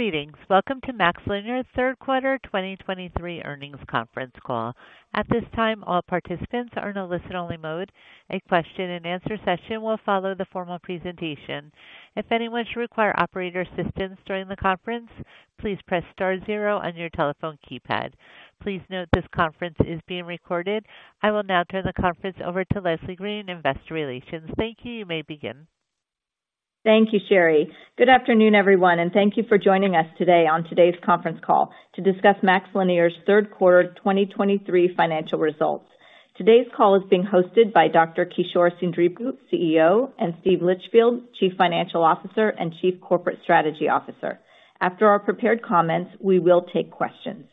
Greetings! Welcome to MaxLinear's third quarter 2023 earnings conference call. At this time, all participants are in a listen-only mode. A question-and-answer session will follow the formal presentation. If anyone should require operator assistance during the conference, please press star zero on your telephone keypad. Please note this conference is being recorded. I will now turn the conference over to Leslie Green in Investor Relations. Thank you. You may begin. Thank you, Sherry. Good afternoon, everyone, and thank you for joining us today on today's conference call to discuss MaxLinear's third quarter 2023 financial results. Today's call is being hosted by Dr. Kishore Seendripu, CEO, and Steve Litchfield, Chief Financial Officer and Chief Corporate Strategy Officer. After our prepared comments, we will take questions.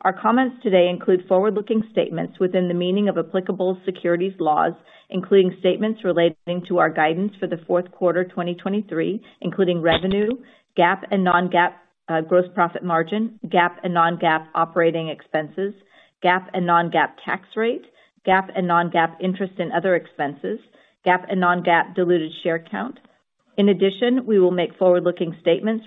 Our comments today include forward-looking statements within the meaning of applicable securities laws, including statements relating to our guidance for the fourth quarter 2023, including revenue, GAAP and non-GAAP gross profit margin, GAAP and non-GAAP operating expenses, GAAP and non-GAAP tax rate, GAAP and non-GAAP interest in other expenses, GAAP and non-GAAP diluted share count. In addition, we will make forward-looking statements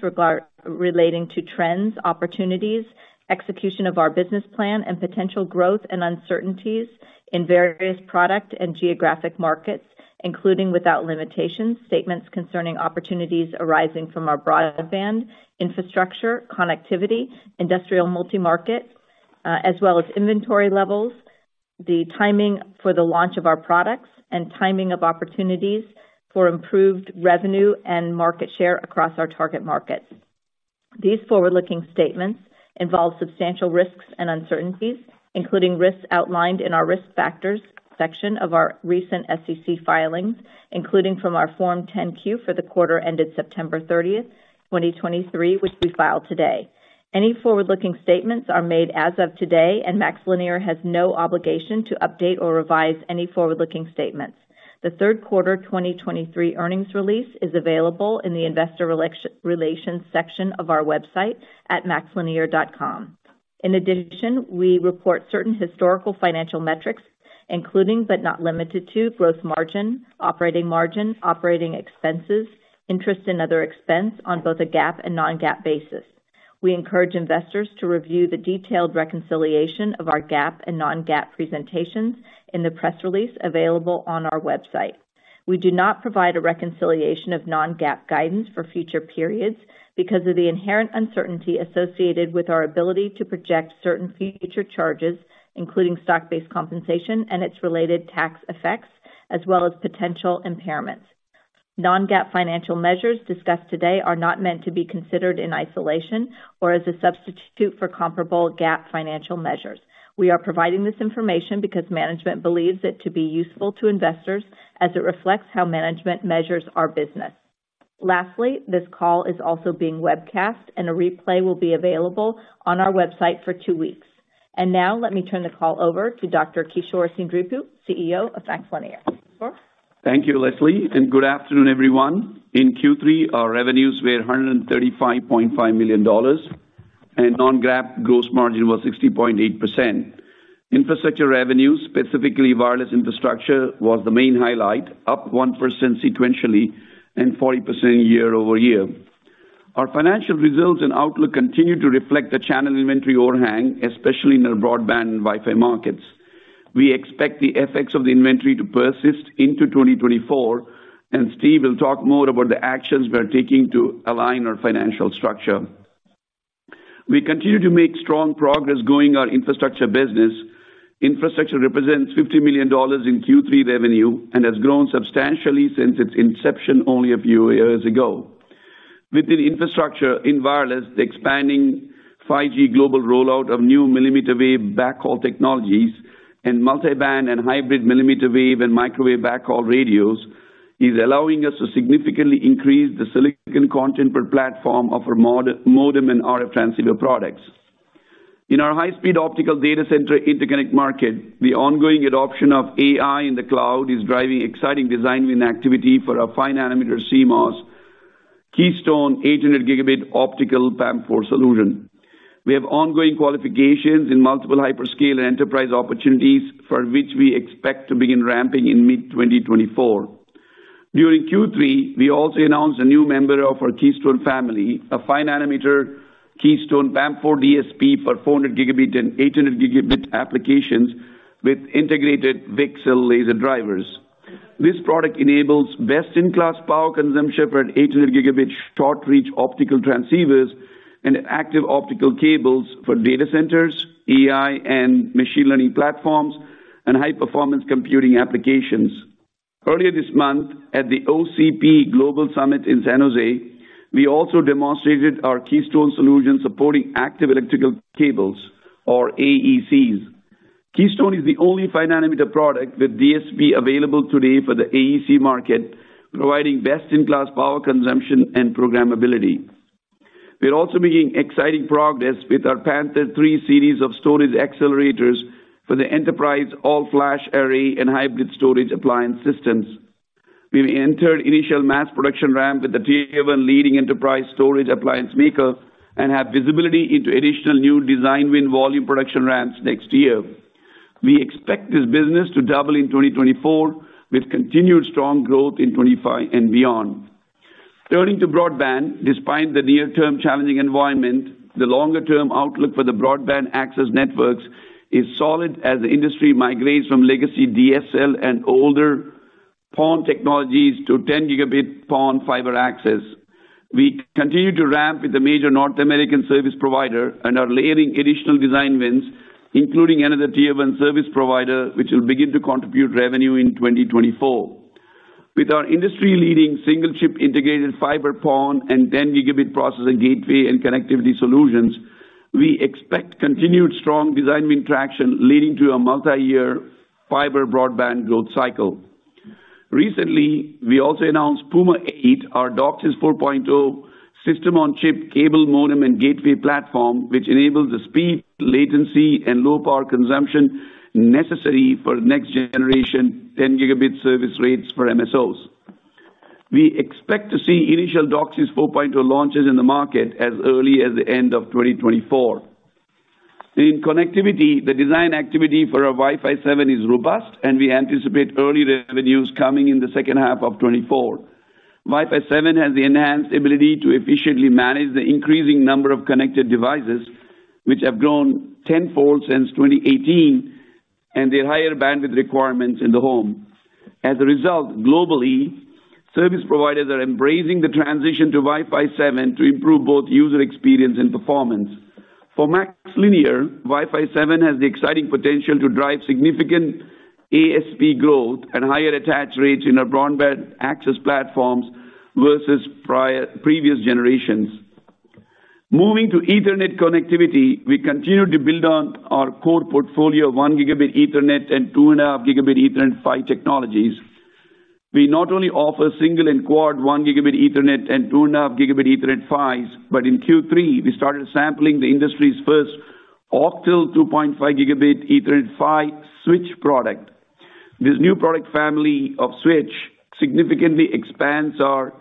relating to trends, opportunities, execution of our business plan, and potential growth and uncertainties in various product and geographic markets, including, without limitation, statements concerning opportunities arising from our broadband, infrastructure, connectivity, industrial multimarket, as well as inventory levels, the timing for the launch of our products, and timing of opportunities for improved revenue and market share across our target markets. These forward-looking statements involve substantial risks and uncertainties, including risks outlined in our Risk Factors section of our recent SEC filings, including from our Form 10-Q for the quarter ended September 30, 2023, which we filed today. Any forward-looking statements are made as of today, and MaxLinear has no obligation to update or revise any forward-looking statements. The third quarter 2023 earnings release is available in the Investor Relations section of our website at maxlinear.com. In addition, we report certain historical financial metrics, including, but not limited to, gross margin, operating margin, operating expenses, interest and other expense on both a GAAP and non-GAAP basis. We encourage investors to review the detailed reconciliation of our GAAP and non-GAAP presentations in the press release available on our website. We do not provide a reconciliation of non-GAAP guidance for future periods because of the inherent uncertainty associated with our ability to project certain future charges, including stock-based compensation and its related tax effects, as well as potential impairments. Non-GAAP financial measures discussed today are not meant to be considered in isolation or as a substitute for comparable GAAP financial measures. We are providing this information because management believes it to be useful to investors as it reflects how management measures our business. Lastly, this call is also being webcast, and a replay will be available on our website for two weeks. Now, let me turn the call over to Dr. Kishore Seendripu, CEO of MaxLinear. Kishore? Thank you, Leslie, and good afternoon, everyone. In Q3, our revenues were $135.5 million, and non-GAAP gross margin was 60.8%. Infrastructure revenue, specifically wireless infrastructure, was the main highlight, up 1% sequentially and 40% year over year. Our financial results and outlook continue to reflect the channel inventory overhang, especially in the broadband and Wi-Fi markets. We expect the effects of the inventory to persist into 2024, and Steve will talk more about the actions we are taking to align our financial structure. We continue to make strong progress growing our infrastructure business. Infrastructure represents $50 million in Q3 revenue and has grown substantially since its inception only a few years ago. Within infrastructure, in wireless, the expanding 5G global rollout of new millimeter wave backhaul technologies and multiband and hybrid millimeter wave and microwave backhaul radios is allowing us to significantly increase the silicon content per platform of our modem and RF transceiver products. In our high-speed optical data center interconnect market, the ongoing adoption of AI in the cloud is driving exciting design win activity for our 5-nanometer CMOS Keystone 800 gigabit optical PAM4 solution. We have ongoing qualifications in multiple hyperscale and enterprise opportunities for which we expect to begin ramping in mid-2024. During Q3, we also announced a new member of our Keystone family, a 5-nanometer Keystone PAM4 DSP for 400 gigabit and 800 gigabit applications with integrated VCSEL laser drivers. This product enables best-in-class power consumption for 800-gigabit short-reach optical transceivers and active optical cables for data centers, AI, and machine learning platforms, and high-performance computing applications. Earlier this month, at the OCP Global Summit in San Jose, we also demonstrated our Keystone solution supporting active electrical cables, or AECs. Keystone is the only 5-nanometer product with DSP available today for the AEC market, providing best-in-class power consumption and programmability. We're also making exciting progress with our Panther III series of storage accelerators for the enterprise all-flash array and hybrid storage appliance systems. We've entered initial mass production ramp with the tier one leading enterprise storage appliance maker and have visibility into additional new design win volume production ramps next year. We expect this business to double in 2024, with continued strong growth in 2025 and beyond. Turning to broadband, despite the near-term challenging environment, the longer-term outlook for the broadband access networks is solid as the industry migrates from legacy DSL and older PON technologies to 10-gigabit PON fiber access. We continue to ramp with a major North American service provider and are layering additional design wins, including another tier one service provider, which will begin to contribute revenue in 2024. With our industry-leading single-chip integrated fiber PON and 10-gigabit processing gateway and connectivity solutions, we expect continued strong design win traction, leading to a multi-year fiber broadband growth cycle. Recently, we also announced Puma 8, our DOCSIS 4.0 system on chip, cable modem, and gateway platform, which enables the speed, latency, and low-power consumption necessary for next-generation 10-gigabit service rates for MSOs. We expect to see initial DOCSIS 4.0 launches in the market as early as the end of 2024. In connectivity, the design activity for our Wi-Fi 7 is robust, and we anticipate early revenues coming in the second half of 2024. Wi-Fi 7 has the enhanced ability to efficiently manage the increasing number of connected devices, which have grown tenfold since 2018, and the higher bandwidth requirements in the home. As a result, globally, service providers are embracing the transition to Wi-Fi 7 to improve both user experience and performance. For MaxLinear, Wi-Fi 7 has the exciting potential to drive significant ASP growth and higher attach rates in our broadband access platforms versus previous generations. Moving to Ethernet connectivity, we continue to build on our core portfolio of 1 gigabit Ethernet and 2.5 gigabit Ethernet PHY technologies. We not only offer single and quad 1 gigabit Ethernet and 2.5 gigabit Ethernet PHYs, but in Q3, we started sampling the industry's first octal 2.5 gigabit Ethernet PHY switch product. This new product family of switch significantly expands our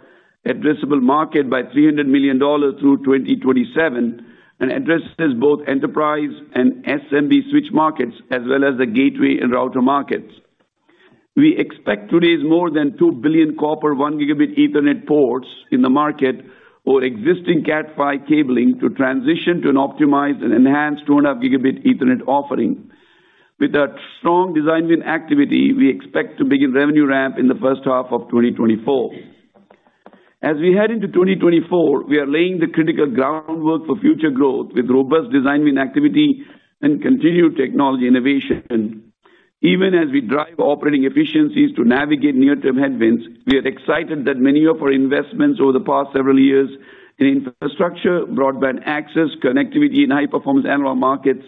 addressable market by $300 million through 2027 and addresses both enterprise and SMB switch markets, as well as the gateway and router markets. We expect to raise more than 2 billion copper 1 gigabit Ethernet ports in the market or existing Cat 5 cabling to transition to an optimized and enhanced 2.5 gigabit Ethernet offering. With that strong design win activity, we expect to begin revenue ramp in the first half of 2024. As we head into 2024, we are laying the critical groundwork for future growth with robust design win activity and continued technology innovation. Even as we drive operating efficiencies to navigate near-term headwinds, we are excited that many of our investments over the past several years in infrastructure, broadband access, connectivity, and high-performance analog markets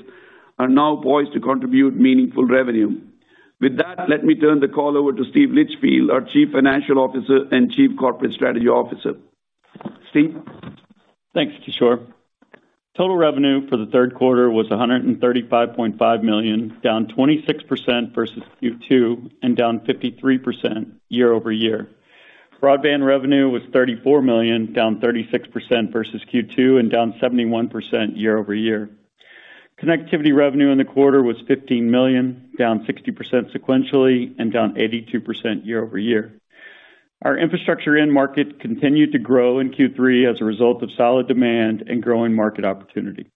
are now poised to contribute meaningful revenue. With that, let me turn the call over to Steve Litchfield, our Chief Financial Officer and Chief Corporate Strategy Officer. Steve? Thanks, Kishore. Total revenue for the third quarter was $135.5 million, down 26% versus Q2 and down 53% year-over-year. Broadband revenue was $34 million, down 36% versus Q2 and down 71% year-over-year. Connectivity revenue in the quarter was $15 million, down 60% sequentially and down 82% year-over-year. Our infrastructure end market continued to grow in Q3 as a result of solid demand and growing market opportunity.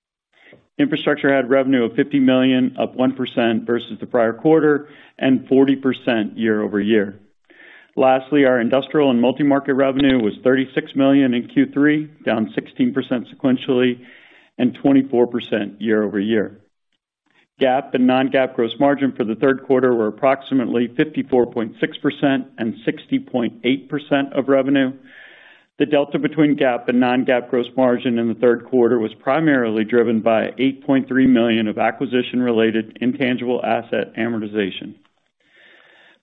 Infrastructure had revenue of $50 million, up 1% versus the prior quarter, and 40% year-over-year. Lastly, our industrial and multi-market revenue was $36 million in Q3, down 16% sequentially and 24% year-over-year. GAAP and non-GAAP gross margin for the third quarter were approximately 54.6% and 60.8% of revenue. The delta between GAAP and non-GAAP gross margin in the third quarter was primarily driven by $8.3 million of acquisition-related intangible asset amortization.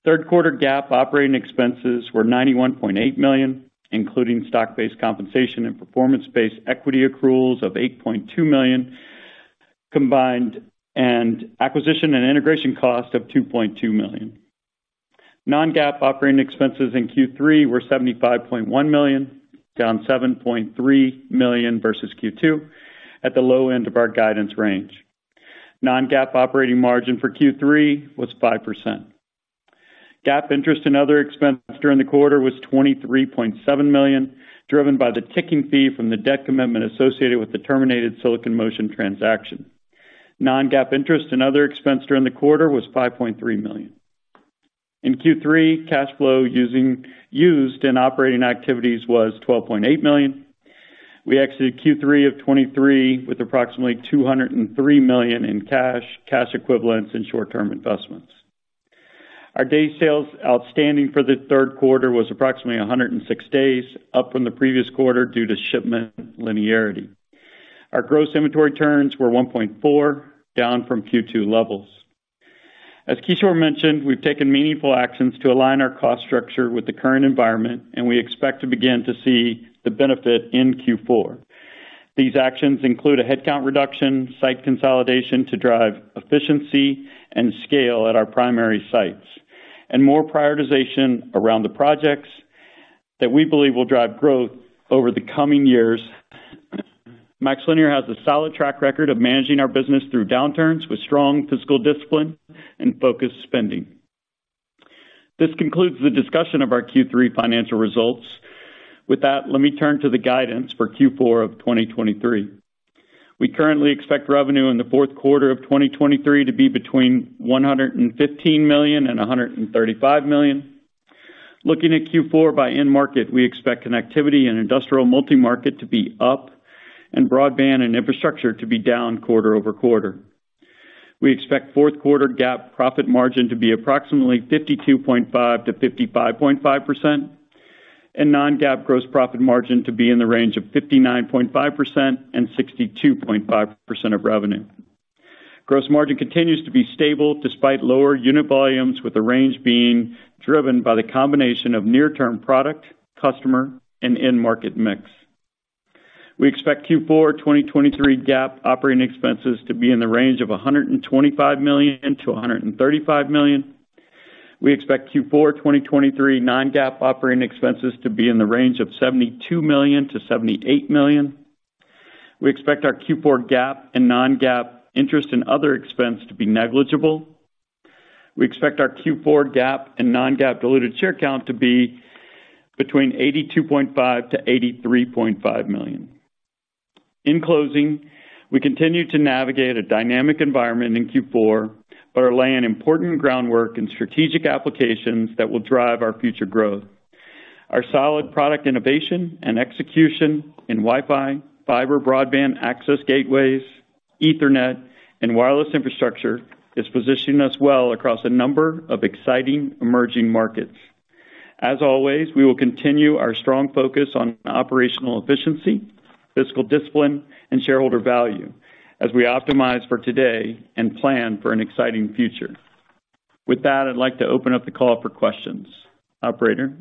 Third quarter GAAP operating expenses were $91.8 million, including stock-based compensation and performance-based equity accruals of $8.2 million combined, and acquisition and integration cost of $2.2 million. Non-GAAP operating expenses in Q3 were $75.1 million, down $7.3 million versus Q2, at the low end of our guidance range. Non-GAAP operating margin for Q3 was 5%. GAAP interest and other expense during the quarter was $23.7 million, driven by the ticking fee from the debt commitment associated with the terminated Silicon Motion transaction. Non-GAAP interest and other expense during the quarter was $5.3 million. In Q3, cash flow used in operating activities was $12.8 million. We exited Q3 of 2023 with approximately $203 million in cash, cash equivalents, and short-term investments. Our days sales outstanding for the third quarter was approximately 106 days, up from the previous quarter due to shipment linearity. Our gross inventory turns were 1.4, down from Q2 levels. As Kishore mentioned, we've taken meaningful actions to align our cost structure with the current environment, and we expect to begin to see the benefit in Q4. These actions include a headcount reduction, site consolidation to drive efficiency and scale at our primary sites, and more prioritization around the projects that we believe will drive growth over the coming years.... MaxLinear has a solid track record of managing our business through downturns with strong fiscal discipline and focused spending. This concludes the discussion of our Q3 financial results. With that, let me turn to the guidance for Q4 of 2023. We currently expect revenue in the fourth quarter of 2023 to be between $115 million and $135 million. Looking at Q4 by end market, we expect connectivity and industrial multi-market to be up, and broadband and infrastructure to be down quarter-over-quarter. We expect fourth quarter GAAP profit margin to be approximately 52.5%-55.5%, and non-GAAP gross profit margin to be in the range of 59.5% and 62.5% of revenue. Gross margin continues to be stable despite lower unit volumes, with the range being driven by the combination of near-term product, customer, and end market mix. We expect Q4 2023 GAAP operating expenses to be in the range of $125 million-$135 million. We expect Q4 2023 non-GAAP operating expenses to be in the range of $72 million-$78 million. We expect our Q4 GAAP and non-GAAP interest and other expense to be negligible. We expect our Q4 GAAP and non-GAAP diluted share count to be between 82.5-83.5 million. In closing, we continue to navigate a dynamic environment in Q4, but are laying important groundwork and strategic applications that will drive our future growth. Our solid product innovation and execution in Wi-Fi, fiber, broadband access gateways, Ethernet, and wireless infrastructure is positioning us well across a number of exciting emerging markets. As always, we will continue our strong focus on operational efficiency, fiscal discipline, and shareholder value as we optimize for today and plan for an exciting future. With that, I'd like to open up the call for questions. Operator?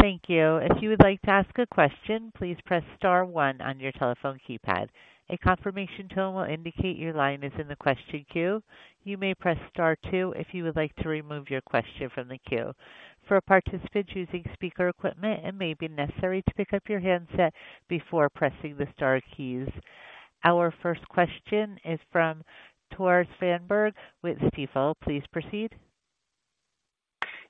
Thank you. If you would like to ask a question, please press star one on your telephone keypad. A confirmation tone will indicate your line is in the question queue. You may press star two if you would like to remove your question from the queue. For participants using speaker equipment, it may be necessary to pick up your handset before pressing the star keys. Our first question is from Tore Svanberg with Stifel. Please proceed.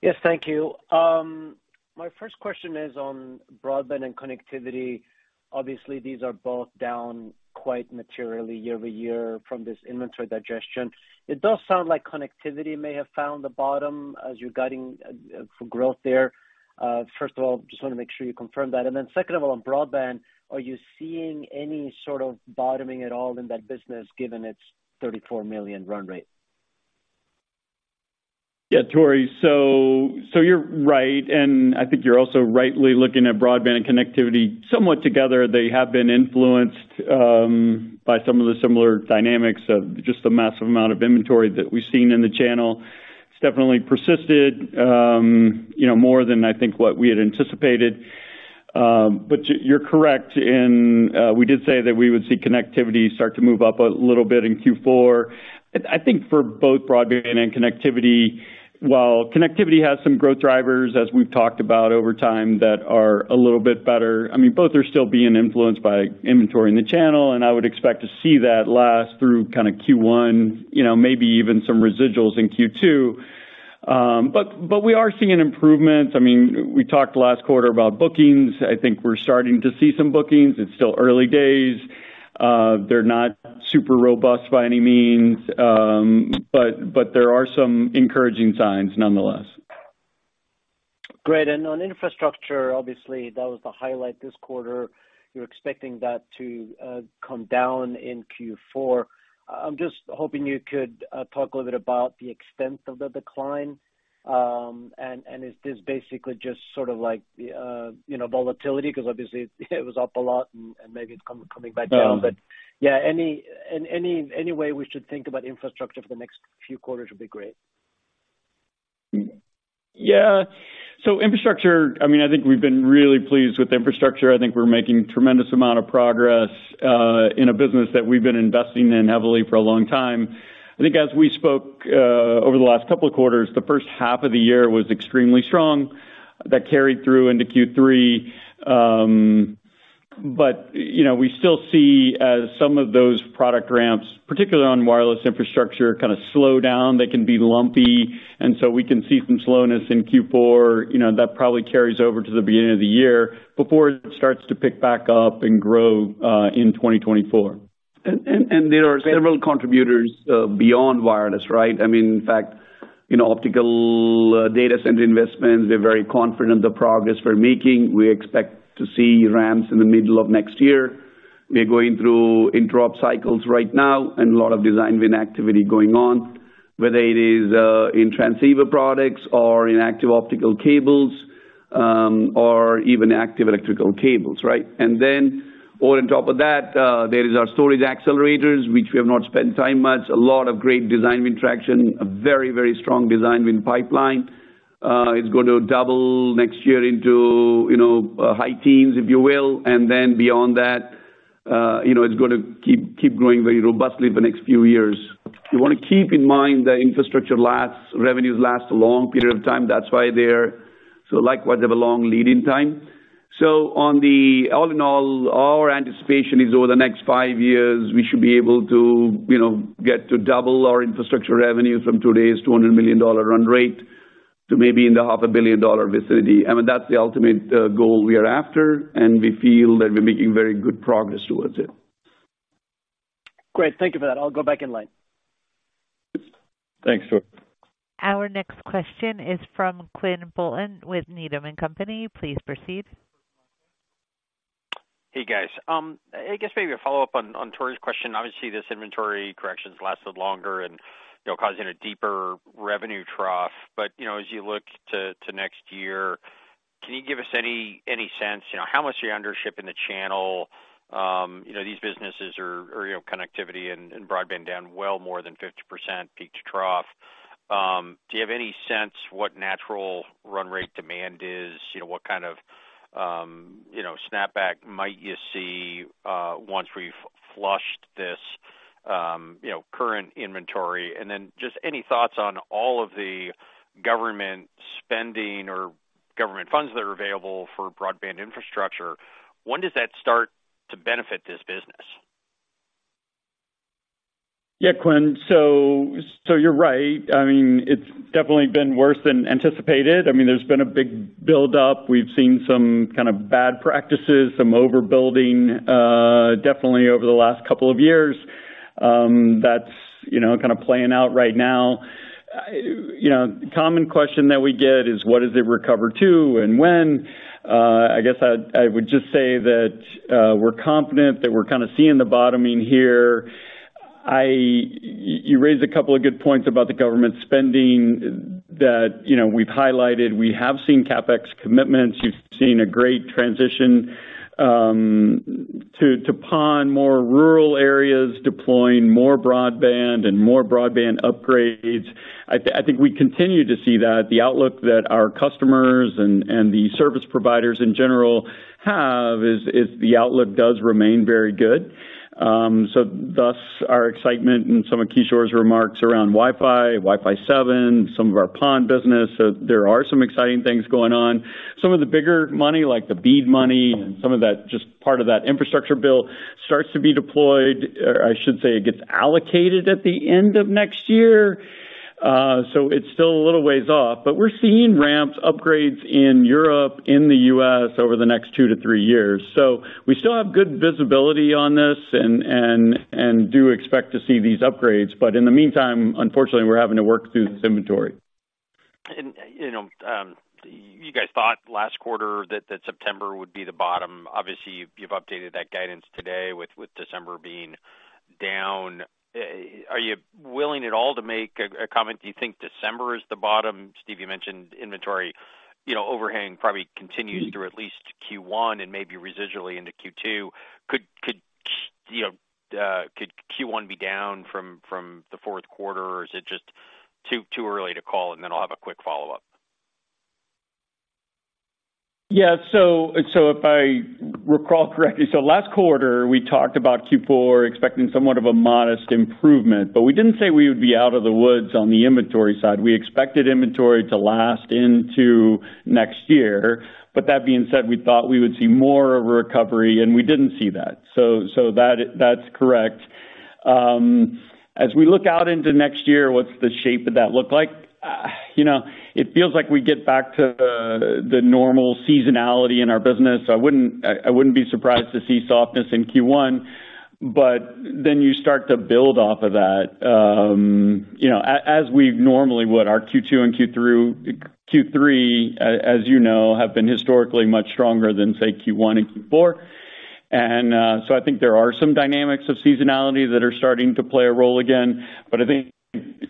Yes, thank you. My first question is on broadband and connectivity. Obviously, these are both down quite materially year-over-year from this inventory digestion. It does sound like connectivity may have found the bottom as you're guiding for growth there. First of all, just want to make sure you confirm that. And then second of all, on broadband, are you seeing any sort of bottoming at all in that business, given its $34 million run rate? Yeah, Tore, so, so you're right, and I think you're also rightly looking at broadband and connectivity somewhat together. They have been influenced by some of the similar dynamics of just the massive amount of inventory that we've seen in the channel. It's definitely persisted, you know, more than I think what we had anticipated. But you're correct in we did say that we would see connectivity start to move up a little bit in Q4. I think for both broadband and connectivity, while connectivity has some growth drivers, as we've talked about over time, that are a little bit better, I mean, both are still being influenced by inventory in the channel, and I would expect to see that last through kind of Q1, you know, maybe even some residuals in Q2. But we are seeing an improvement. I mean, we talked last quarter about bookings. I think we're starting to see some bookings. It's still early days. They're not super robust by any means, but there are some encouraging signs nonetheless. Great. And on infrastructure, obviously, that was the highlight this quarter. You're expecting that to come down in Q4. I'm just hoping you could talk a little bit about the extent of the decline. And is this basically just sort of like, you know, volatility? Because obviously it was up a lot and maybe it's coming back down. Um- But yeah, any way we should think about infrastructure for the next few quarters would be great. Yeah. So infrastructure, I mean, I think we've been really pleased with infrastructure. I think we're making tremendous amount of progress in a business that we've been investing in heavily for a long time. I think as we spoke over the last couple of quarters, the first half of the year was extremely strong. That carried through into Q3. But, you know, we still see some of those product ramps, particularly on wireless infrastructure, kind of slow down. They can be lumpy, and so we can see some slowness in Q4. You know, that probably carries over to the beginning of the year before it starts to pick back up and grow in 2024. There are several contributors beyond wireless, right? I mean, in fact, you know, optical data center investments, we're very confident the progress we're making. We expect to see ramps in the middle of next year. We are going through interop cycles right now and a lot of design win activity going on, whether it is in transceiver products or in active optical cables or even active electrical cables, right? And then on top of that, there is our storage accelerators, which we have not spent time much. A lot of great design win traction, a very, very strong design win pipeline. It's going to double next year into, you know, high teens, if you will. And then beyond that, you know, it's gonna keep, keep growing very robustly the next few years. You want to keep in mind that infrastructure lasts. Revenues last a long period of time. That's why they're-... so likewise, have a long lead-in time. So all in all, our anticipation is over the next five years, we should be able to, you know, get to double our infrastructure revenue from today's $200 million run rate to maybe in the $500 million vicinity. I mean, that's the ultimate goal we are after, and we feel that we're making very good progress towards it. Great. Thank you for that. I'll go back in line. Thanks, Tory. Our next question is from Quinn Bolton with Needham & Company. Please proceed. Hey, guys. I guess maybe a follow-up on Tore's question. Obviously, this inventory corrections lasted longer and, you know, causing a deeper revenue trough. But, you know, as you look to next year, can you give us any sense, you know, how much are you undershipping the channel? You know, these businesses are, you know, connectivity and broadband down well more than 50% peak to trough. Do you have any sense what natural run rate demand is? You know, what kind of, you know, snapback might you see, once we've flushed this, you know, current inventory? And then just any thoughts on all of the government spending or government funds that are available for broadband infrastructure, when does that start to benefit this business? Yeah, Quinn, so you're right. I mean, it's definitely been worse than anticipated. I mean, there's been a big build-up. We've seen some kind of bad practices, some overbuilding, definitely over the last couple of years. That's, you know, kind of playing out right now. You know, common question that we get is, what does it recover to and when? I guess I would just say that, we're confident that we're kind of seeing the bottoming here. You raised a couple of good points about the government spending that, you know, we've highlighted. We have seen CapEx commitments. You've seen a great transition to PON, more rural areas, deploying more broadband and more broadband upgrades. I think we continue to see that. The outlook that our customers and the service providers in general have is the outlook does remain very good. So thus, our excitement and some of Kishore's remarks around Wi-Fi, Wi-Fi 7, some of our PON business. So there are some exciting things going on. Some of the bigger money, like the BEAD money and some of that, just part of that infrastructure bill, starts to be deployed, or I should say, it gets allocated at the end of next year. So it's still a little ways off, but we're seeing ramps, upgrades in Europe, in the US over the next two to three years. So we still have good visibility on this and do expect to see these upgrades, but in the meantime, unfortunately, we're having to work through this inventory. You know, you guys thought last quarter that September would be the bottom. Obviously, you've updated that guidance today with December being down. Are you willing at all to make a comment? Do you think December is the bottom? Steve, you mentioned inventory, you know, overhang probably continues through at least Q1 and maybe residually into Q2. Could you know, could Q1 be down from the fourth quarter, or is it just too early to call? And then I'll have a quick follow-up. Yeah. So if I recall correctly, last quarter we talked about Q4 expecting somewhat of a modest improvement, but we didn't say we would be out of the woods on the inventory side. We expected inventory to last into next year. But that being said, we thought we would see more of a recovery, and we didn't see that. So that is, that's correct. As we look out into next year, what's the shape of that look like? You know, it feels like we get back to the normal seasonality in our business. I wouldn't be surprised to see softness in Q1, but then you start to build off of that, you know, as we normally would. Our Q2 and Q3, as you know, have been historically much stronger than, say, Q1 and Q4. And so I think there are some dynamics of seasonality that are starting to play a role again, but I think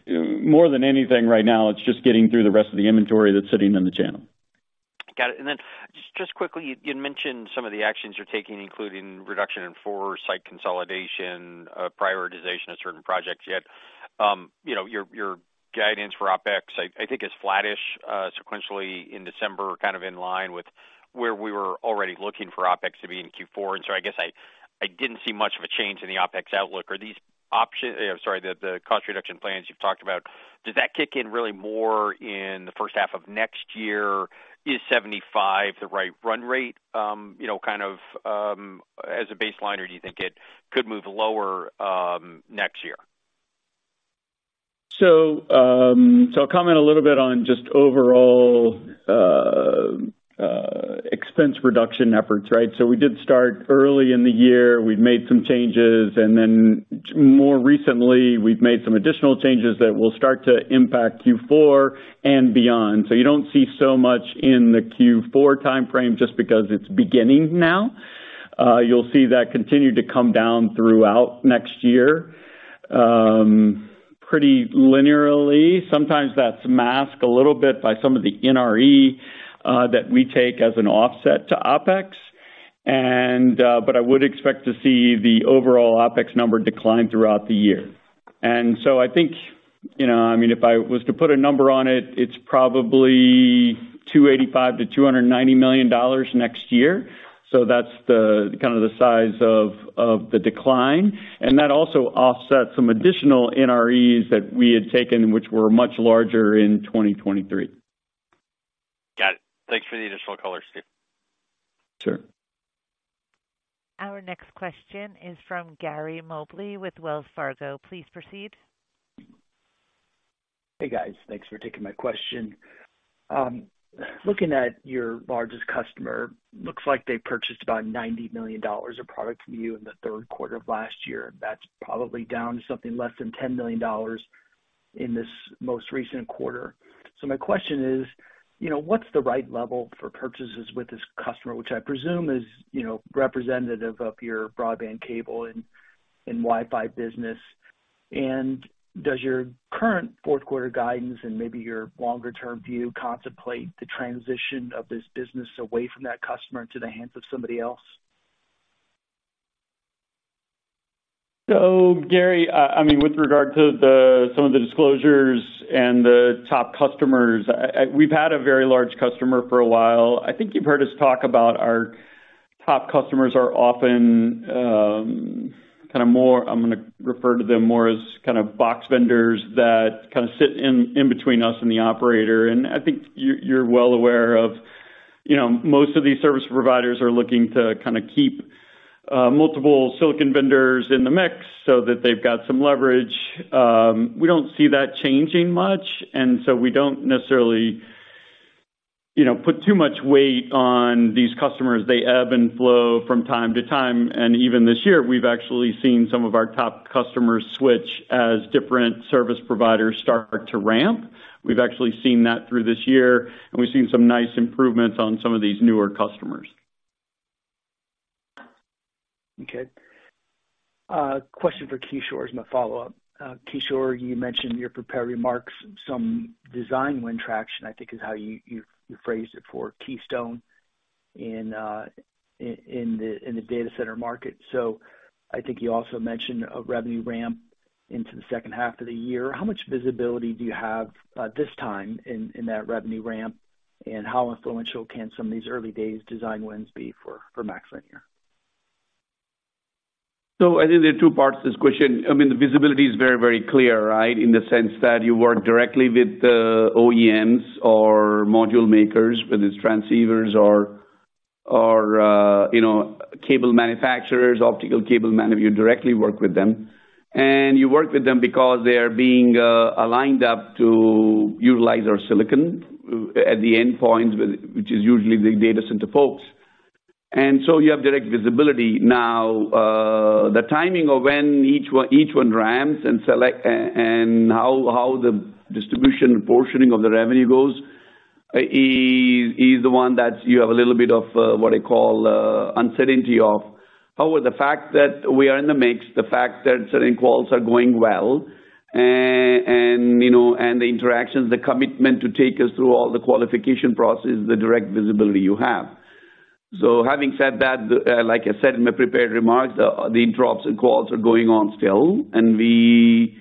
more than anything right now, it's just getting through the rest of the inventory that's sitting in the channel. Got it. And then just quickly, you'd mentioned some of the actions you're taking, including reduction in force, site consolidation, prioritization of certain projects. Yet, you know, your guidance for OpEx, I think, is flattish, sequentially in December, kind of in line with where we were already looking for OpEx to be in Q4. And so I guess I didn't see much of a change in the OpEx outlook. Are these actions, I'm sorry, the cost reduction plans you've talked about, does that kick in really more in the first half of next year? Is 75 the right run rate, you know, kind of, as a baseline, or do you think it could move lower, next year? So I'll comment a little bit on just overall expense reduction efforts, right? We did start early in the year. We've made some changes, and then more recently, we've made some additional changes that will start to impact Q4 and beyond. You don't see so much in the Q4 timeframe just because it's beginning now. You'll see that continue to come down throughout next year, pretty linearly. Sometimes that's masked a little bit by some of the NRE that we take as an offset to OpEx. But I would expect to see the overall OpEx number decline throughout the year. So I think, you know, I mean, if I was to put a number on it, it's probably $285 million-$290 million next year. So that's the kind of the size of the decline, and that also offsets some additional NREs that we had taken, which were much larger in 2023. Got it. Thanks for the additional color, Steve. Sure. ...Our next question is from Gary Mobley with Wells Fargo. Please proceed. Hey, guys. Thanks for taking my question. Looking at your largest customer, looks like they purchased about $90 million of product from you in the third quarter of last year. That's probably down to something less than $10 million in this most recent quarter. So my question is: you know, what's the right level for purchases with this customer, which I presume is, you know, representative of your broadband, cable, and, and Wi-Fi business? And does your current fourth quarter guidance and maybe your longer-term view contemplate the transition of this business away from that customer into the hands of somebody else? So, Gary, I mean, with regard to the, some of the disclosures and the top customers, we've had a very large customer for a while. I think you've heard us talk about our top customers are often. I'm going to refer to them more as kind of box vendors that kind of sit in between us and the operator. And I think you're well aware of, you know, most of these service providers are looking to kind of keep multiple silicon vendors in the mix so that they've got some leverage. We don't see that changing much, and so we don't necessarily, you know, put too much weight on these customers. They ebb and flow from time to time, and even this year, we've actually seen some of our top customers switch as different service providers start to ramp. We've actually seen that through this year, and we've seen some nice improvements on some of these newer customers. Okay. Question for Kishore as my follow-up. Kishore, you mentioned in your prepared remarks some design win traction, I think, is how you phrased it, for Keystone in the data center market. So I think you also mentioned a revenue ramp into the second half of the year. How much visibility do you have this time in that revenue ramp? And how influential can some of these early days design wins be for MaxLinear? So I think there are two parts to this question. I mean, the visibility is very, very clear, right? In the sense that you work directly with the OEMs or module makers, whether it's transceivers or, you know, cable manufacturers, optical cable manufacturers. You directly work with them, and you work with them because they are being aligned up to utilize our silicon at the endpoints, which is usually the data center folks. And so you have direct visibility. Now, the timing of when each one, each one ramps and select, and how, how the distribution portioning of the revenue goes, is the one that you have a little bit of, what I call, uncertainty of. However, the fact that we are in the mix, the fact that certain calls are going well, and, you know, and the interactions, the commitment to take us through all the qualification processes, the direct visibility you have. So having said that, like I said in my prepared remarks, the interops and calls are going on still, and we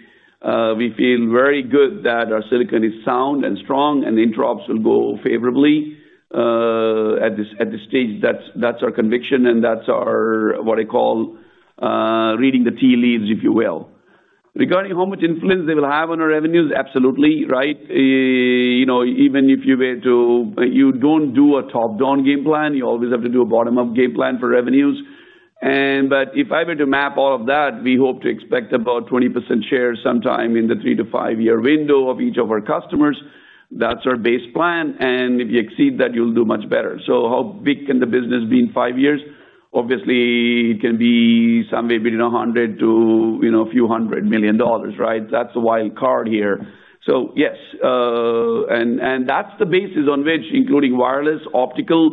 feel very good that our silicon is sound and strong, and the interops will go favorably, at this stage. That's our conviction, and that's our, what I call, reading the tea leaves, if you will. Regarding how much influence they will have on our revenues, absolutely, right? You know, even if you were to—you don't do a top-down game plan, you always have to do a bottom-up game plan for revenues. But if I were to map all of that, we hope to expect about 20% share sometime in the 3- to 5-year window of each of our customers. That's our base plan, and if you exceed that, you'll do much better. So how big can the business be in five years? Obviously, it can be somewhere between $100 million to, you know, a few hundred million, right? That's the wild card here. So yes, and that's the basis on which, including wireless, optical,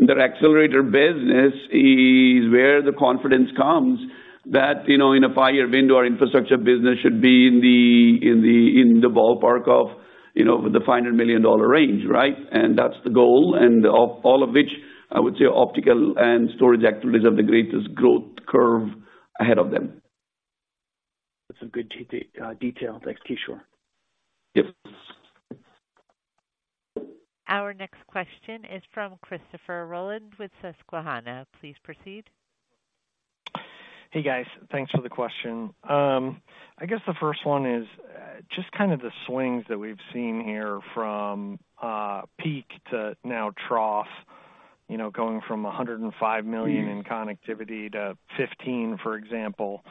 the accelerator business is where the confidence comes that, you know, in a 5-year window, our infrastructure business should be in the ballpark of, you know, the $500 million range, right? And that's the goal. And of all of which, I would say optical and storage activities have the greatest growth curve ahead of them. That's a good detail. Thanks, Kishore. Yep. Our next question is from Christopher Rolland with Susquehanna. Please proceed. Hey, guys. Thanks for the question. I guess the first one is just kind of the swings that we've seen here from peak to now trough, you know, going from $105 million in connectivity to $15 million, for example,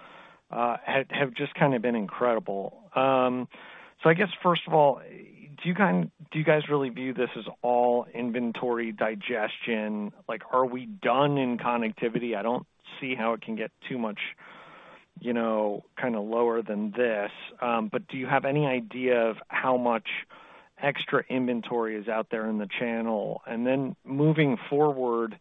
have just kind of been incredible. So I guess, first of all, do you guys really view this as all inventory digestion? Like, are we done in connectivity? I don't see how it can get too much, you know, kind of lower than this. But do you have any idea of how much extra inventory is out there in the channel? And then moving forward,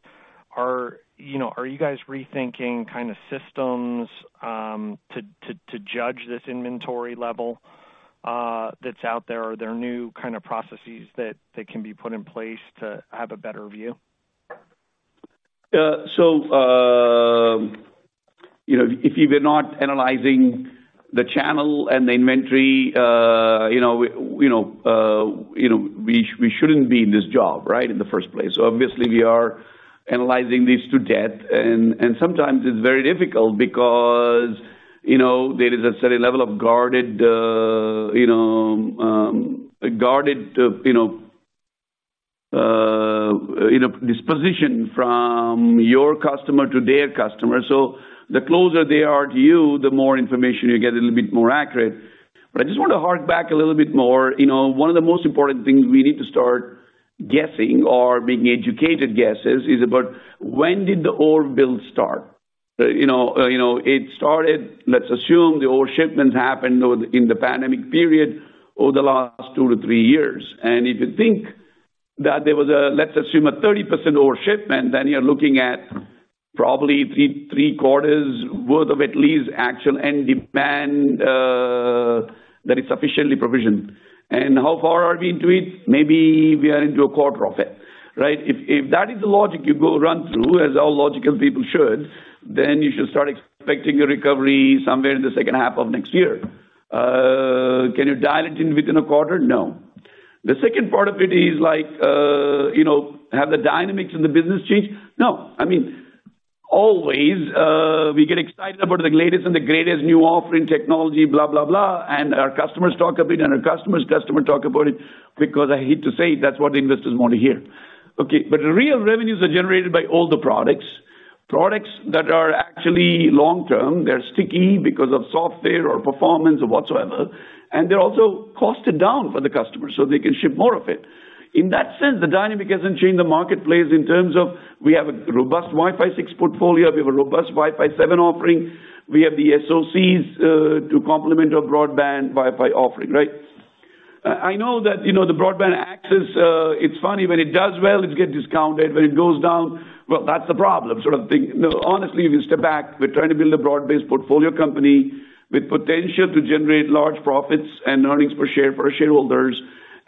you know, are you guys rethinking kind of systems to judge this inventory level that's out there? Are there new kind of processes that can be put in place to have a better view? So, you know, if you were not analyzing the channel and the inventory, you know, we, you know, we, we shouldn't be in this job, right, in the first place. So obviously we are analyzing this to death, and sometimes it's very difficult because, you know, there is a certain level of guarded disposition from your customer to their customer. So the closer they are to you, the more information you get, a little bit more accurate. But I just want to hark back a little bit more. You know, one of the most important things we need to start guessing or making educated guesses is about when did the old build start? You know, you know, it started—let's assume the old shipments happened or in the pandemic period over the last 2 to 3 years. And if you think that there was a, let's assume, a 30% overshipment, then you're looking at probably three, three quarters worth of at least actual end demand that is sufficiently provisioned. And how far are we into it? Maybe we are into a quarter of it, right? If, if that is the logic you go run through, as all logical people should, then you should start expecting a recovery somewhere in the second half of next year. Can you dial it in within a quarter? No. The second part of it is like, you know, have the dynamics in the business changed? No. I mean, always, we get excited about the latest and the greatest new offering technology, blah, blah, blah, and our customers talk a bit, and our customer's customer talk about it, because I hate to say it, that's what investors want to hear. Okay, but the real revenues are generated by all the products. Products that are actually long-term, they're sticky because of software or performance or whatsoever, and they're also costed down for the customer so they can ship more of it. In that sense, the dynamic hasn't changed the marketplace in terms of we have a robust Wi-Fi 6 portfolio, we have a robust Wi-Fi 7 offering, we have the SoCs to complement our broadband Wi-Fi offering, right? I know that, you know, the broadband access, it's funny, when it does well, it gets discounted, when it goes down, well, that's the problem, sort of thing. No, honestly, if you step back, we're trying to build a broad-based portfolio company with potential to generate large profits and earnings per share for our shareholders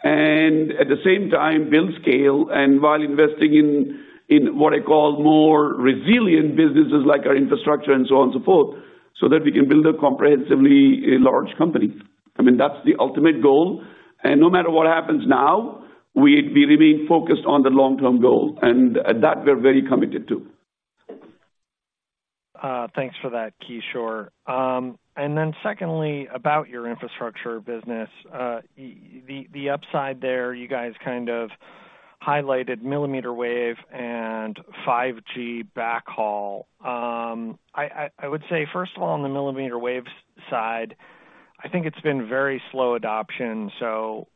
and at the same time build scale and while investing in what I call more resilient businesses, like our infrastructure and so on and so forth, so that we can build comprehensively a large company. I mean, that's the ultimate goal, and no matter what happens now, we remain focused on the long-term goal, and at that, we're very committed to. Thanks for that, Kishore. And then secondly, about your infrastructure business, the upside there, you guys kind of highlighted millimeter wave and 5G backhaul. I would say, first of all, on the millimeter wave side, I think it's been very slow adoption, so,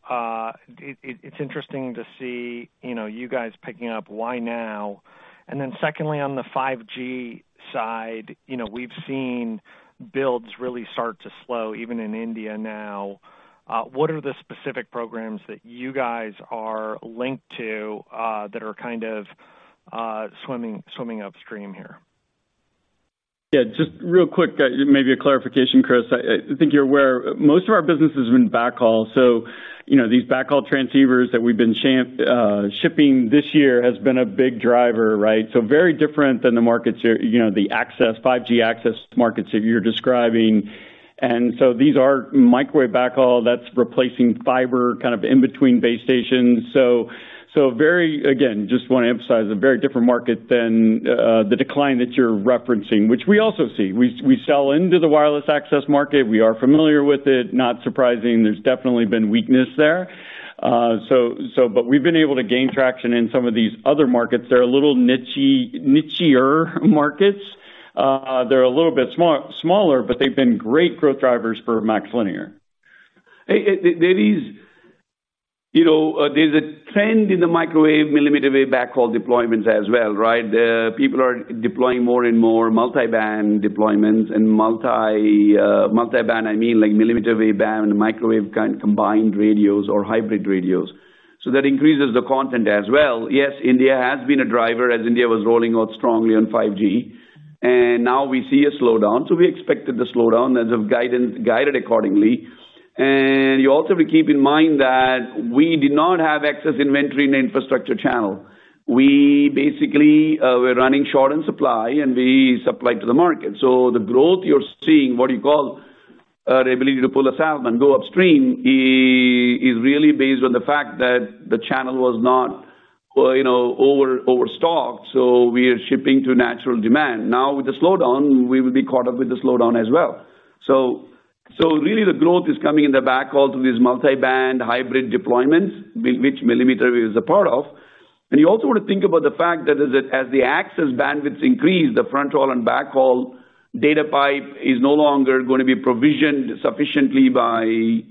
it's interesting to see, you know, you guys picking up. Why now? And then secondly, on the 5G side, you know, we've seen builds really start to slow, even in India now. What are the specific programs that you guys are linked to, that are kind of, swimming upstream here? Yeah, just real quick, maybe a clarification, Chris. I think you're aware most of our business has been backhaul, so you know, these backhaul transceivers that we've been shipping this year has been a big driver, right? So very different than the markets, you know, the access, 5G access markets that you're describing. And so these are microwave backhaul that's replacing fiber, kind of in between base stations. So very, again, just want to emphasize, a very different market than the decline that you're referencing, which we also see. We sell into the wireless access market. We are familiar with it. Not surprising. There's definitely been weakness there. So but we've been able to gain traction in some of these other markets. They're a little nichey, nichier markets. They're a little bit smaller, but they've been great growth drivers for MaxLinear. There is, you know, there's a trend in the microwave, millimeter wave backhaul deployments as well, right? People are deploying more and more multi-band deployments and multi-band, I mean, like millimeter wave band, microwave kind combined radios or hybrid radios. So that increases the content as well. Yes, India has been a driver, as India was rolling out strongly on 5G, and now we see a slowdown. So we expected the slowdown as of guidance, guided accordingly. And you also keep in mind that we did not have excess inventory in the infrastructure channel. We basically, we're running short on supply, and we supplied to the market. So the growth you're seeing, what you call, the ability to pull us out and go upstream, is really based on the fact that the channel was not, you know, overstocked, so we are shipping to natural demand. Now, with the slowdown, we will be caught up with the slowdown as well. So really the growth is coming in the backhaul to these multi-band hybrid deployments, which millimeter wave is a part of. And you also want to think about the fact that as the access bandwidth increase, the front haul and backhaul data pipe is no longer going to be provisioned sufficiently by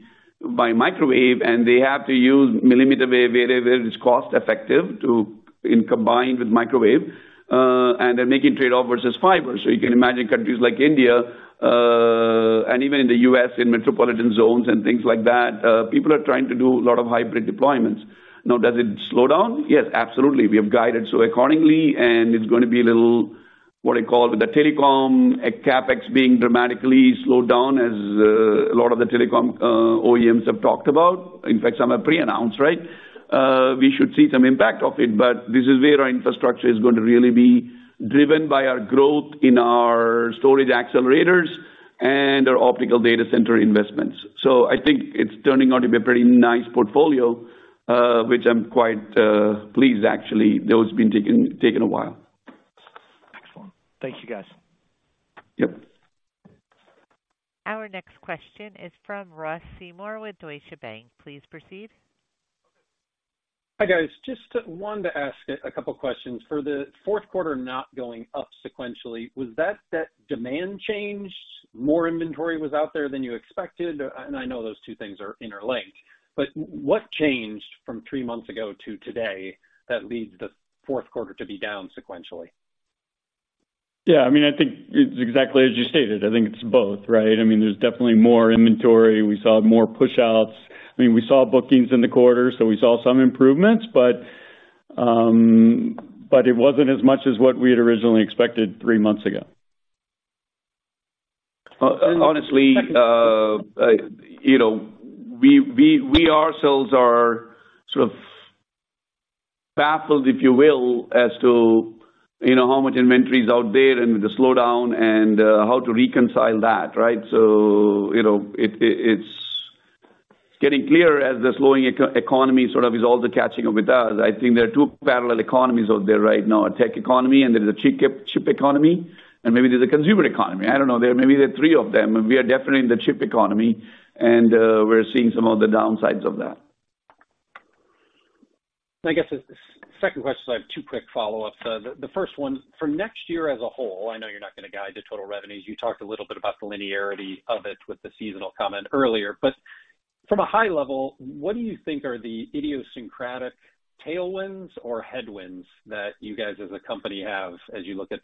microwave, and they have to use millimeter wave, wherever it's cost effective to, in combined with microwave, and they're making trade-off versus fiber. So you can imagine countries like India, and even in the US, in metropolitan zones and things like that, people are trying to do a lot of hybrid deployments. Now, does it slow down? Yes, absolutely. We have guided so accordingly, and it's going to be a little, what I call, the telecom CapEx being dramatically slowed down, as a lot of the telecom OEMs have talked about. In fact, some are pre-announced, right? We should see some impact of it, but this is where our infrastructure is going to really be driven by our growth in our storage accelerators and our optical data center investments. So I think it's turning out to be a pretty nice portfolio, which I'm quite pleased, actually, though it's been taking, taking a while. Thank you, guys. Yep. Our next question is from Ross Seymore with Deutsche Bank. Please proceed. Hi, guys. Just wanted to ask a couple questions. For the fourth quarter not going up sequentially, was that, that demand change, more inventory was out there than you expected? And I know those two things are interlinked, but what changed from three months ago to today that leads the fourth quarter to be down sequentially? Yeah, I mean, I think it's exactly as you stated. I think it's both, right? I mean, there's definitely more inventory. We saw more push outs. I mean, we saw bookings in the quarter, so we saw some improvements, but, but it wasn't as much as what we had originally expected three months ago. Honestly, you know, we ourselves are sort of baffled, if you will, as to, you know, how much inventory is out there and the slowdown and how to reconcile that, right? So, you know, it it's getting clearer as the slowing economy sort of is all catching up with us. I think there are two parallel economies out there right now, a tech economy, and there's a chip economy, and maybe there's a consumer economy. I don't know, there maybe are three of them. We are definitely in the chip economy, and we're seeing some of the downsides of that. I guess the second question, I have two quick follow-ups. The first one, for next year as a whole, I know you're not going to guide to total revenues. You talked a little bit about the linearity of it with the seasonal comment earlier, but from a high level, what do you think are the idiosyncratic tailwinds or headwinds that you guys as a company have as you look at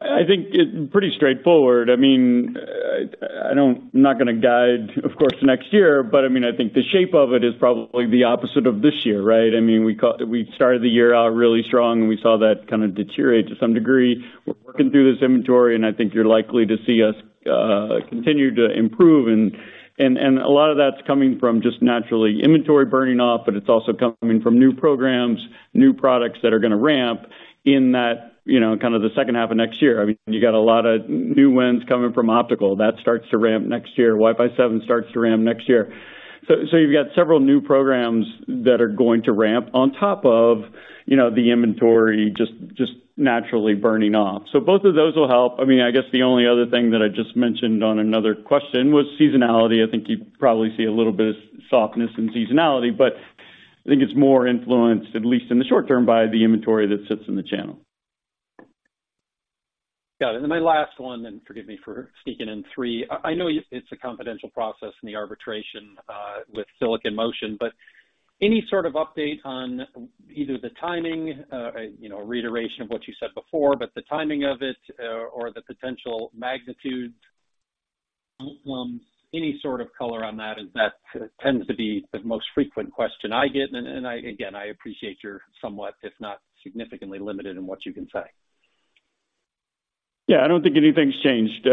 2024? I think it's pretty straightforward. I mean, I don't. I'm not gonna guide, of course, next year, but I mean, I think the shape of it is probably the opposite of this year, right? I mean, we started the year out really strong, and we saw that kind of deteriorate to some degree. We're working through this inventory, and I think you're likely to see us continue to improve, and a lot of that's coming from just naturally inventory burning off, but it's also coming from new programs, new products that are going to ramp in that, you know, kind of the second half of next year. I mean, you got a lot of new wins coming from optical. That starts to ramp next year. Wi-Fi 7 starts to ramp next year. So, you've got several new programs that are going to ramp on top of, you know, the inventory just naturally burning off. So both of those will help. I mean, I guess the only other thing that I just mentioned on another question was seasonality. I think you probably see a little bit of softness in seasonality, but I think it's more influenced, at least in the short term, by the inventory that sits in the channel. Got it. And my last one, then forgive me for sneaking in three. I know it's a confidential process in the arbitration with Silicon Motion, but any sort of update on either the timing, you know, reiteration of what you said before, but the timing of it or the potential magnitude, any sort of color on that, as that tends to be the most frequent question I get, and I, again, I appreciate you're somewhat, if not significantly limited in what you can say. Yeah, I don't think anything's changed,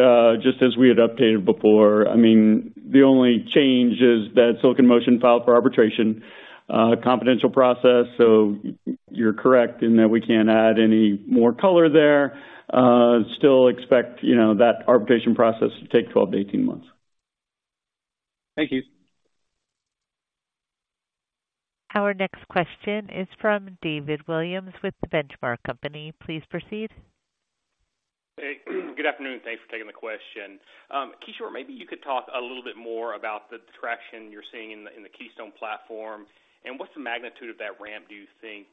just as we had updated before. I mean, the only change is that Silicon Motion filed for arbitration, confidential process, so you're correct in that we can't add any more color there. Still expect, you know, that arbitration process to take 12-18 months. Thank you. Our next question is from David Williams with The Benchmark Company. Please proceed. Hey, good afternoon, and thanks for taking the question. Kishore, maybe you could talk a little bit more about the traction you're seeing in the Keystone platform, and what's the magnitude of that ramp, do you think,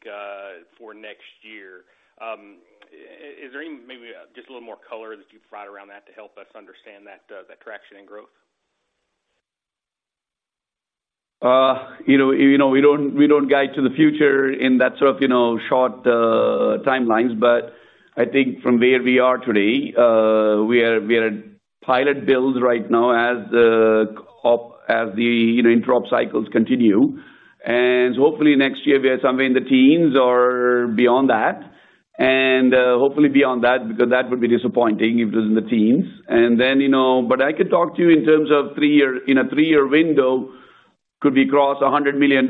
for next year? Is there any, maybe just a little more color that you provide around that to help us understand that, that traction and growth? You know, you know, we don't, we don't guide to the future in that sort of, you know, short timelines, but I think from where we are today, we are, we are at pilot build right now as the, you know, Interop cycles continue. And hopefully next year, we are somewhere in the teens or beyond that. And, hopefully beyond that, because that would be disappointing if it was in the teens. And then, you know, but I could talk to you in terms of three-year, in a three-year window, could we cross $100 million?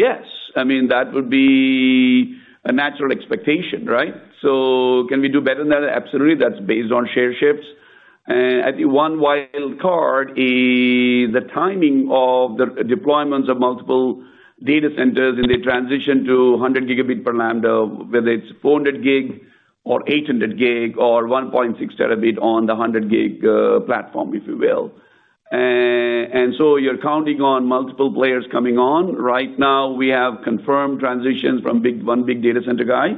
Yes. I mean, that would be a natural expectation, right? So can we do better than that? Absolutely. That's based on share shifts. I think one wild card is the timing of the deployments of multiple data centers, and they transition to 100 gigabit per lambda, whether it's 400 gig or 800 gig or 1.6 terabit on the 100 gig platform, if you will. And so you're counting on multiple players coming on. Right now, we have confirmed transitions from big one big data center guy.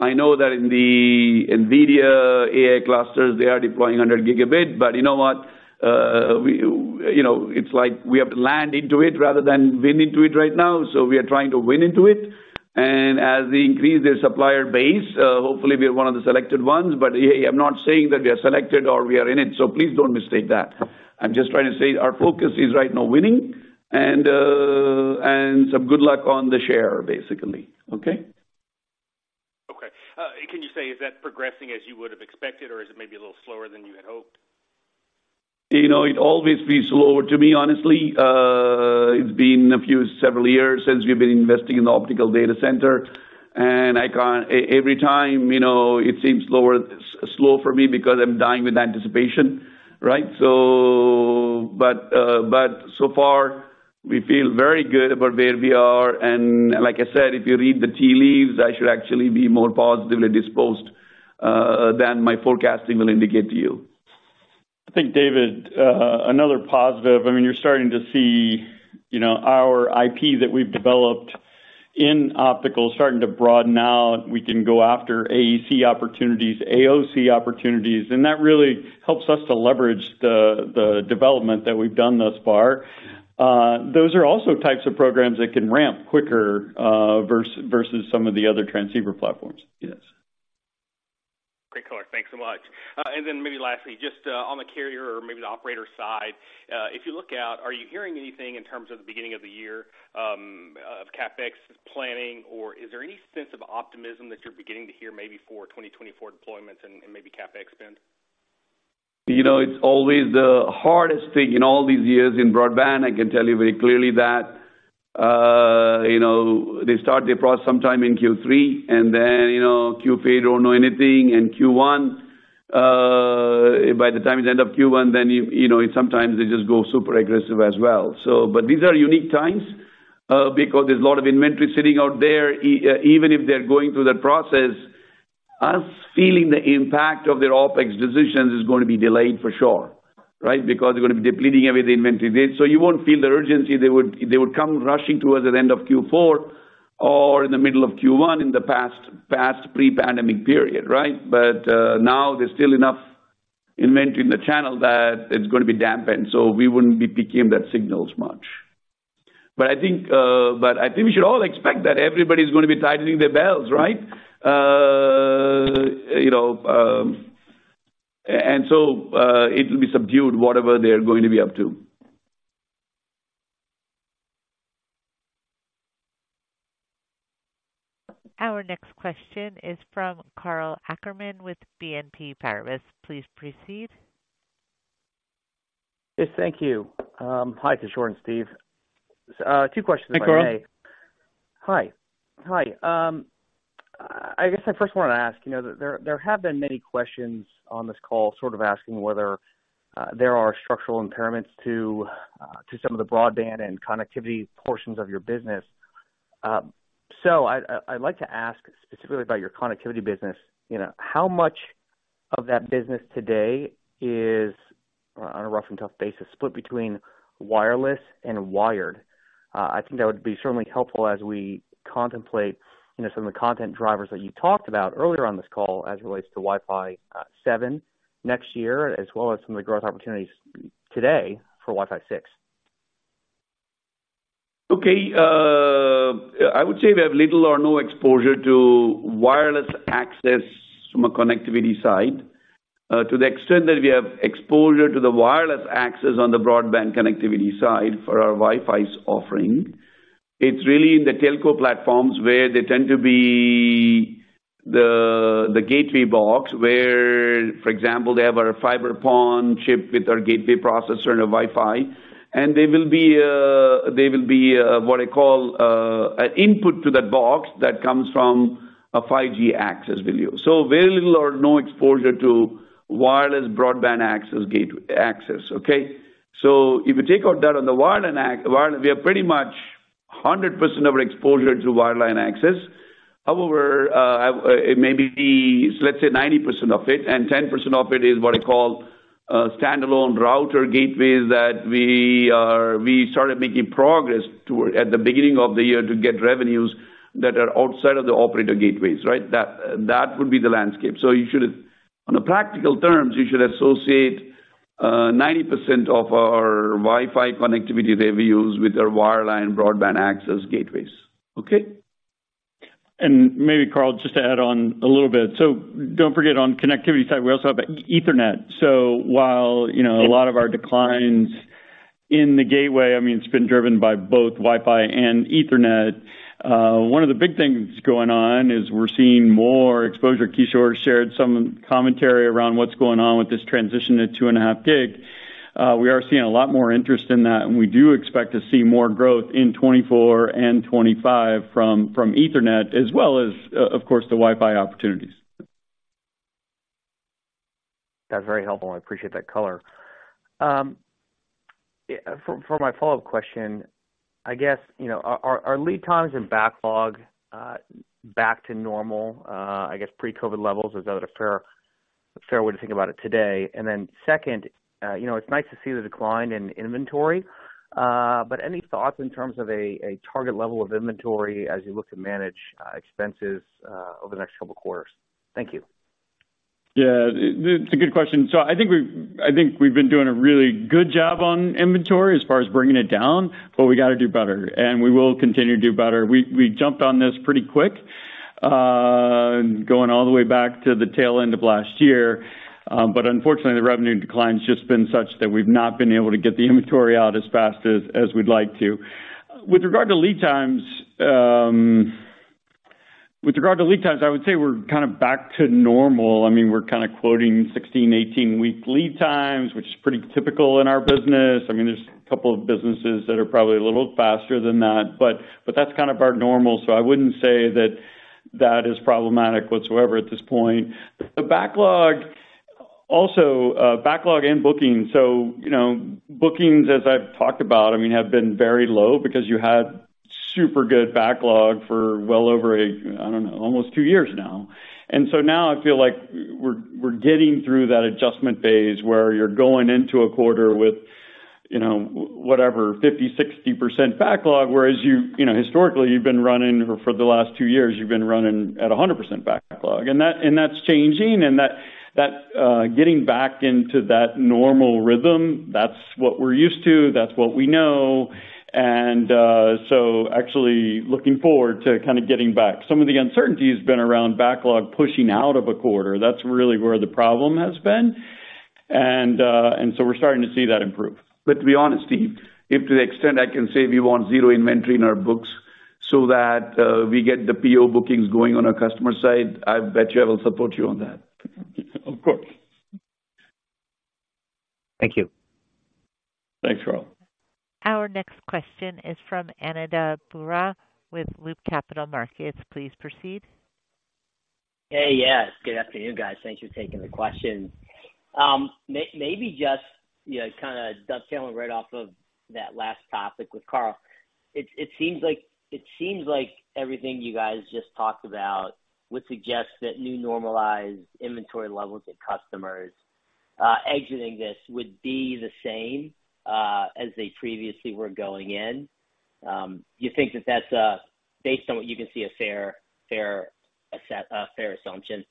I know that in the NVIDIA AI clusters, they are deploying 100 gigabit, but you know what? We, you know, it's like we have to land into it rather than win into it right now, so we are trying to win into it. And as they increase their supplier base, hopefully we are one of the selected ones. But I'm not saying that we are selected or we are in it, so please don't mistake that. I'm just trying to say our focus is right now winning and, and some good luck on the share, basically. Okay? Okay. Can you say, is that progressing as you would have expected, or is it maybe a little slower than you had hoped? You know, it always be slower to me, honestly. It's been a few, several years since we've been investing in the optical data center, and I can't, every time, you know, it seems slower, slow for me because I'm dying with anticipation, right? But so far, we feel very good about where we are. And like I said, if you read the tea leaves, I should actually be more positively disposed than my forecasting will indicate to you. I think, David, another positive, I mean, you're starting to see, you know, our IP that we've developed in optical starting to broaden out. We can go after AEC opportunities, AOC opportunities, and that really helps us to leverage the, the development that we've done thus far. Those are also types of programs that can ramp quicker, versus some of the other transceiver platforms. Yes. Great color. Thanks so much. And then maybe lastly, just on the carrier or maybe the operator side, if you look out, are you hearing anything in terms of the beginning of the year, of CapEx planning, or is there any sense of optimism that you're beginning to hear maybe for 2024 deployments and maybe CapEx spend? You know, it's always the hardest thing in all these years in broadband. I can tell you very clearly that, you know, they start the process sometime in Q3, and then, you know, Q3, you don't know anything, and Q1, by the time you end up Q1, then you, you know, sometimes they just go super aggressive as well. So but these are unique times, because there's a lot of inventory sitting out there. Even if they're going through that process, us feeling the impact of their OpEx decisions is going to be delayed for sure, right? Because they're going to be depleting every inventory date. So you won't feel the urgency they would they would come rushing towards the end of Q4 or in the middle of Q1 in the past, past pre-pandemic period, right? But, now there's still enough inventory in the channel that it's going to be dampened, so we wouldn't be picking that signal as much. But I think, but I think we should all expect that everybody's going to be tightening their belts, right? You know, and so, it will be subdued, whatever they're going to be up to. Our next question is from Karl Ackerman with BNP Paribas. Please proceed. Yes, thank you. Hi to Kishore and Steve. Two questions for today. Hi, Karl. Hi. Hi, I guess I first want to ask, you know, there, there have been many questions on this call, sort of asking whether there are structural impairments to some of the broadband and connectivity portions of your business. So I'd, I'd like to ask specifically about your connectivity business. You know, how much of that business today is, on a rough and tough basis, split between wireless and wired? I think that would be certainly helpful as we contemplate, you know, some of the content drivers that you talked about earlier on this call as it relates to Wi-Fi 7 next year, as well as some of the growth opportunities today for Wi-Fi 6. Okay, I would say we have little or no exposure to wireless access from a connectivity side. To the extent that we have exposure to the wireless access on the broadband connectivity side for our Wi-Fi's offering, it's really in the telco platforms where they tend to be the gateway box, where, for example, they have a fiber PON chip with our gateway processor and a Wi-Fi, and they will be what I call an input to that box that comes from a 5G access value. So very little or no exposure to wireless broadband access gateway access, okay? So if you take out that on the wireline, we are pretty much 100% of our exposure to wireline access. However, it may be, let's say, 90% of it, and 10% of it is what I call standalone router gateways that we started making progress toward at the beginning of the year to get revenues that are outside of the operator gateways, right? That would be the landscape. So you should, on a practical terms, you should associate 90% of our Wi-Fi connectivity revenues with our wireline broadband access gateways. Okay? Maybe, Karl, just to add on a little bit. So don't forget, on connectivity side, we also have Ethernet. So while, you know, a lot of our declines in the gateway, I mean, it's been driven by both Wi-Fi and Ethernet, one of the big things going on is we're seeing more exposure. Kishore shared some commentary around what's going on with this transition to 2.5 gig. We are seeing a lot more interest in that, and we do expect to see more growth in 2024 and 2025 from Ethernet as well as of course, the Wi-Fi opportunities. That's very helpful. I appreciate that color. For my follow-up question, I guess, you know, are lead times and backlog back to normal, I guess, pre-COVID levels? Is that a fair way to think about it today? And then second, you know, it's nice to see the decline in inventory, but any thoughts in terms of a target level of inventory as you look to manage expenses over the next couple of quarters? Thank you. Yeah, it's a good question. So I think we've been doing a really good job on inventory as far as bringing it down, but we got to do better, and we will continue to do better. We jumped on this pretty quick, going all the way back to the tail end of last year. But unfortunately, the revenue decline has just been such that we've not been able to get the inventory out as fast as we'd like to. With regard to lead times, I would say we're kind of back to normal. I mean, we're kind of quoting 16, 18-week lead times, which is pretty typical in our business. I mean, there's a couple of businesses that are probably a little faster than that, but that's kind of our normal. So I wouldn't say that-... that is problematic whatsoever at this point. The backlog also, backlog and bookings. So, you know, bookings, as I've talked about, I mean, have been very low because you had super good backlog for well over a, I don't know, almost two years now. And so now I feel like we're getting through that adjustment phase where you're going into a quarter with, you know, whatever, 50, 60% backlog, whereas you know, historically, you've been running for the last two years, you've been running at a 100% backlog. And that, and that's changing, and that, getting back into that normal rhythm, that's what we're used to, that's what we know. And so actually looking forward to kind of getting back. Some of the uncertainty has been around backlog, pushing out of a quarter. That's really where the problem has been. And so we're starting to see that improve. But to be honest, Steve, if to the extent I can say we want zero inventory in our books so that we get the PO bookings going on our customer side, I bet you I will support you on that. Of course. Thank you. Thanks, Karl. Our next question is from Ananda Baruah, with Loop Capital Markets. Please proceed. Hey, yes, good afternoon, guys. Thanks for taking the question. Maybe just, you know, kind of dovetailing right off of that last topic with Karl. It seems like everything you guys just talked about would suggest that new normalized inventory levels at customers, exiting this would be the same, as they previously were going in. You think that that's, based on what you can see, a fair assumption?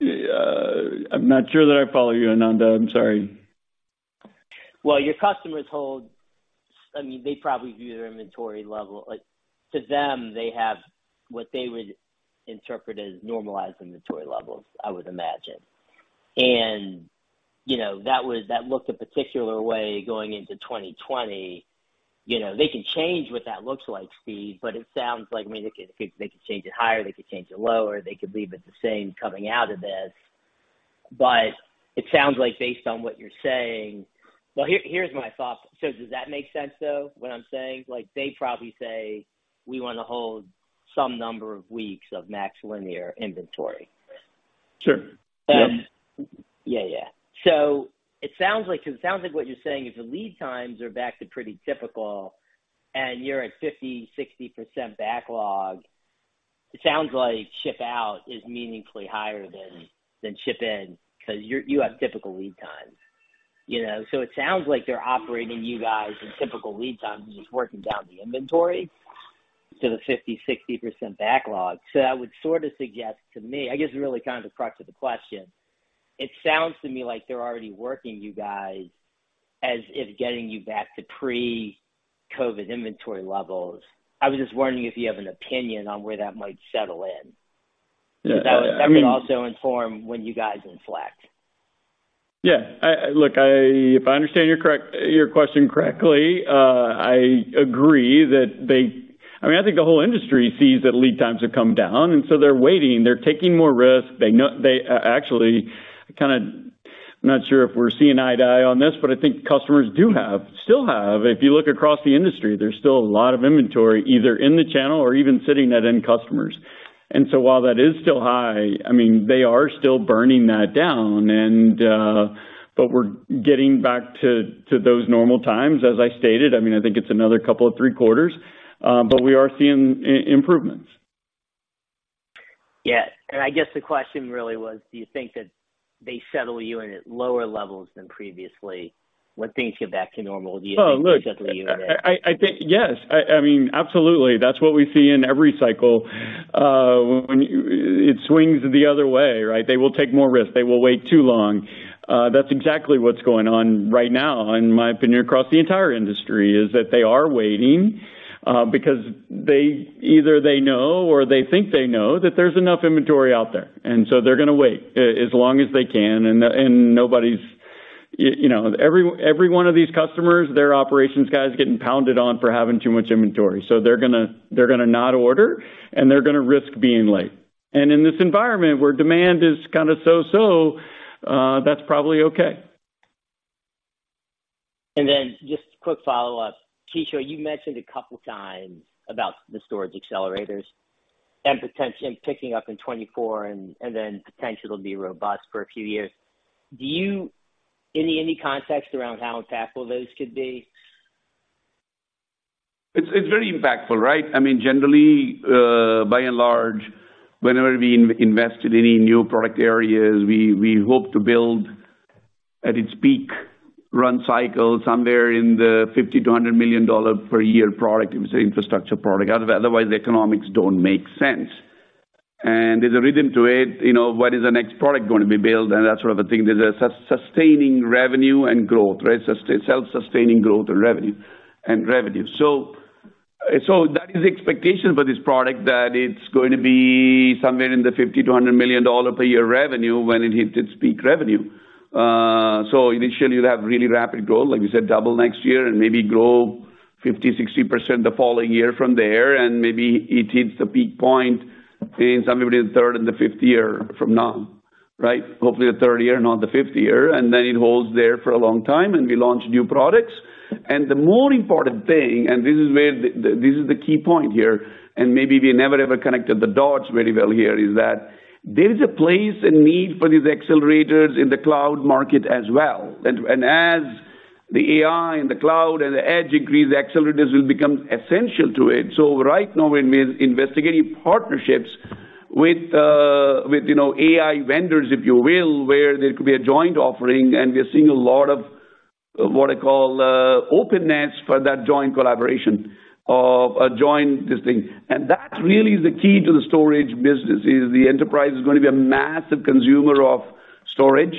I'm not sure that I follow you, Ananda. I'm sorry. Well, your customers hold—I mean, they probably view their inventory level. Like, to them, they have what they would interpret as normalized inventory levels, I would imagine. And, you know, that was—that looked a particular way going into 2020. You know, they can change what that looks like, Steve, but it sounds like, I mean, they could, they could change it higher, they could change it lower, they could leave it the same coming out of this. But it sounds like based on what you're saying... Well, here, here's my thought. So does that make sense, though, what I'm saying? Like, they'd probably say, "We want to hold some number of weeks of MaxLinear inventory. Sure. Yep. Yeah, yeah. So it sounds like, it sounds like what you're saying is the lead times are back to pretty typical, and you're at 50%-60% backlog. It sounds like ship out is meaningfully higher than, than ship in because you're-- you have typical lead times. You know, so it sounds like they're operating you guys in typical lead times and just working down the inventory to the 50%-60% backlog. So that would sort of suggest to me, I guess, really kind of the crux of the question. It sounds to me like they're already working you guys as if getting you back to pre-COVID inventory levels. I was just wondering if you have an opinion on where that might settle in. Yeah. I mean- That would also inform when you guys inflect. Yeah. I look, I... If I understand your correct, your question correctly, I agree that they-- I mean, I think the whole industry sees that lead times have come down, and so they're waiting. They're taking more risks. They know-- They, actually, kind of, I'm not sure if we're seeing eye to eye on this, but I think customers do have, still have. If you look across the industry, there's still a lot of inventory, either in the channel or even sitting at end customers. And so while that is still high, I mean, they are still burning that down and, but we're getting back to, to those normal times, as I stated. I mean, I think it's another couple of three quarters, but we are seeing improvements. Yeah. I guess the question really was, do you think that they settle you in at lower levels than previously when things get back to normal? Do you think they settle you in at- Oh, look, I think yes. I mean, absolutely. That's what we see in every cycle. When it swings the other way, right? They will take more risks. They will wait too long. That's exactly what's going on right now, in my opinion, across the entire industry, is that they are waiting because they either know or they think they know that there's enough inventory out there, and so they're going to wait as long as they can, and nobody's, you know, every one of these customers, their operations guys, getting pounded on for having too much inventory. So they're gonna not order, and they're gonna risk being late. And in this environment, where demand is kind of so so, that's probably okay. Then just quick follow-up. Kishore, you mentioned a couple times about the storage accelerators and potentially picking up in 2024 and, and then potentially it'll be robust for a few years. Do you... Any, any context around how impactful those could be? It's very impactful, right? I mean, generally, by and large, whenever we invest in any new product areas, we hope to build at its peak run cycle, somewhere in the $50-$100 million per year product, if it's an infrastructure product. Otherwise, the economics don't make sense. And there's a rhythm to it, you know, what is the next product going to be built, and that sort of a thing. There's a sustaining revenue and growth, right? Self-sustaining growth and revenue, and revenue. So that is the expectation for this product, that it's going to be somewhere in the $50-$100 million per year revenue when it hits its peak revenue. So initially, you have really rapid growth, like you said, double next year and maybe grow 50%, 60% the following year from there, and maybe it hits the peak point somewhere in the third and the fifth year from now... Right? Hopefully the third year, not the fifth year, and then it holds there for a long time, and we launch new products. And the more important thing, and this is where the, this is the key point here, and maybe we never, ever connected the dots very well here, is that there is a place and need for these accelerators in the cloud market as well. And as the AI and the cloud and the edge increase, the accelerators will become essential to it. So right now, we're investigating partnerships with, with, you know, AI vendors, if you will, where there could be a joint offering. And we are seeing a lot of, what I call, openness for that joint collaboration of a joint this thing. And that really is the key to the storage business, is the enterprise is going to be a massive consumer of storage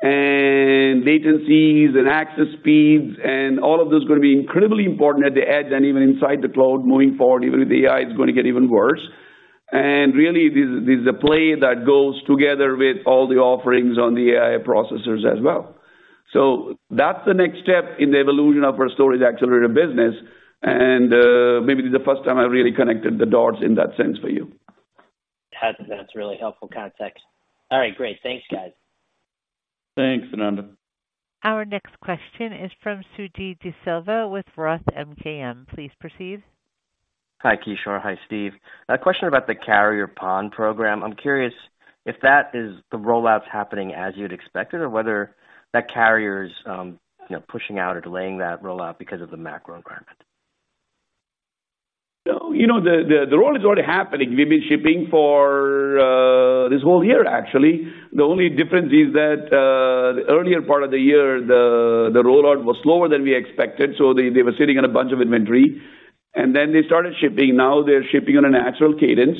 and latencies and access speeds, and all of those are going to be incredibly important at the edge and even inside the cloud moving forward, even with AI, it's going to get even worse. And really, this, this is a play that goes together with all the offerings on the AI processors as well. So that's the next step in the evolution of our storage accelerator business. Maybe this is the first time I really connected the dots in that sense for you. That's really helpful context. All right, great. Thanks, guys. Thanks, Nanda. Our next question is from Suji Desilva with Roth MKM. Please proceed. Hi, Kishore. Hi, Steve. A question about the carrier PON program. I'm curious if that is the rollouts happening as you'd expected, or whether that carrier is, you know, pushing out or delaying that rollout because of the macro environment. So, you know, the roll is already happening. We've been shipping for this whole year, actually. The only difference is that the earlier part of the year, the rollout was slower than we expected, so they were sitting on a bunch of inventory, and then they started shipping. Now they're shipping on a natural cadence,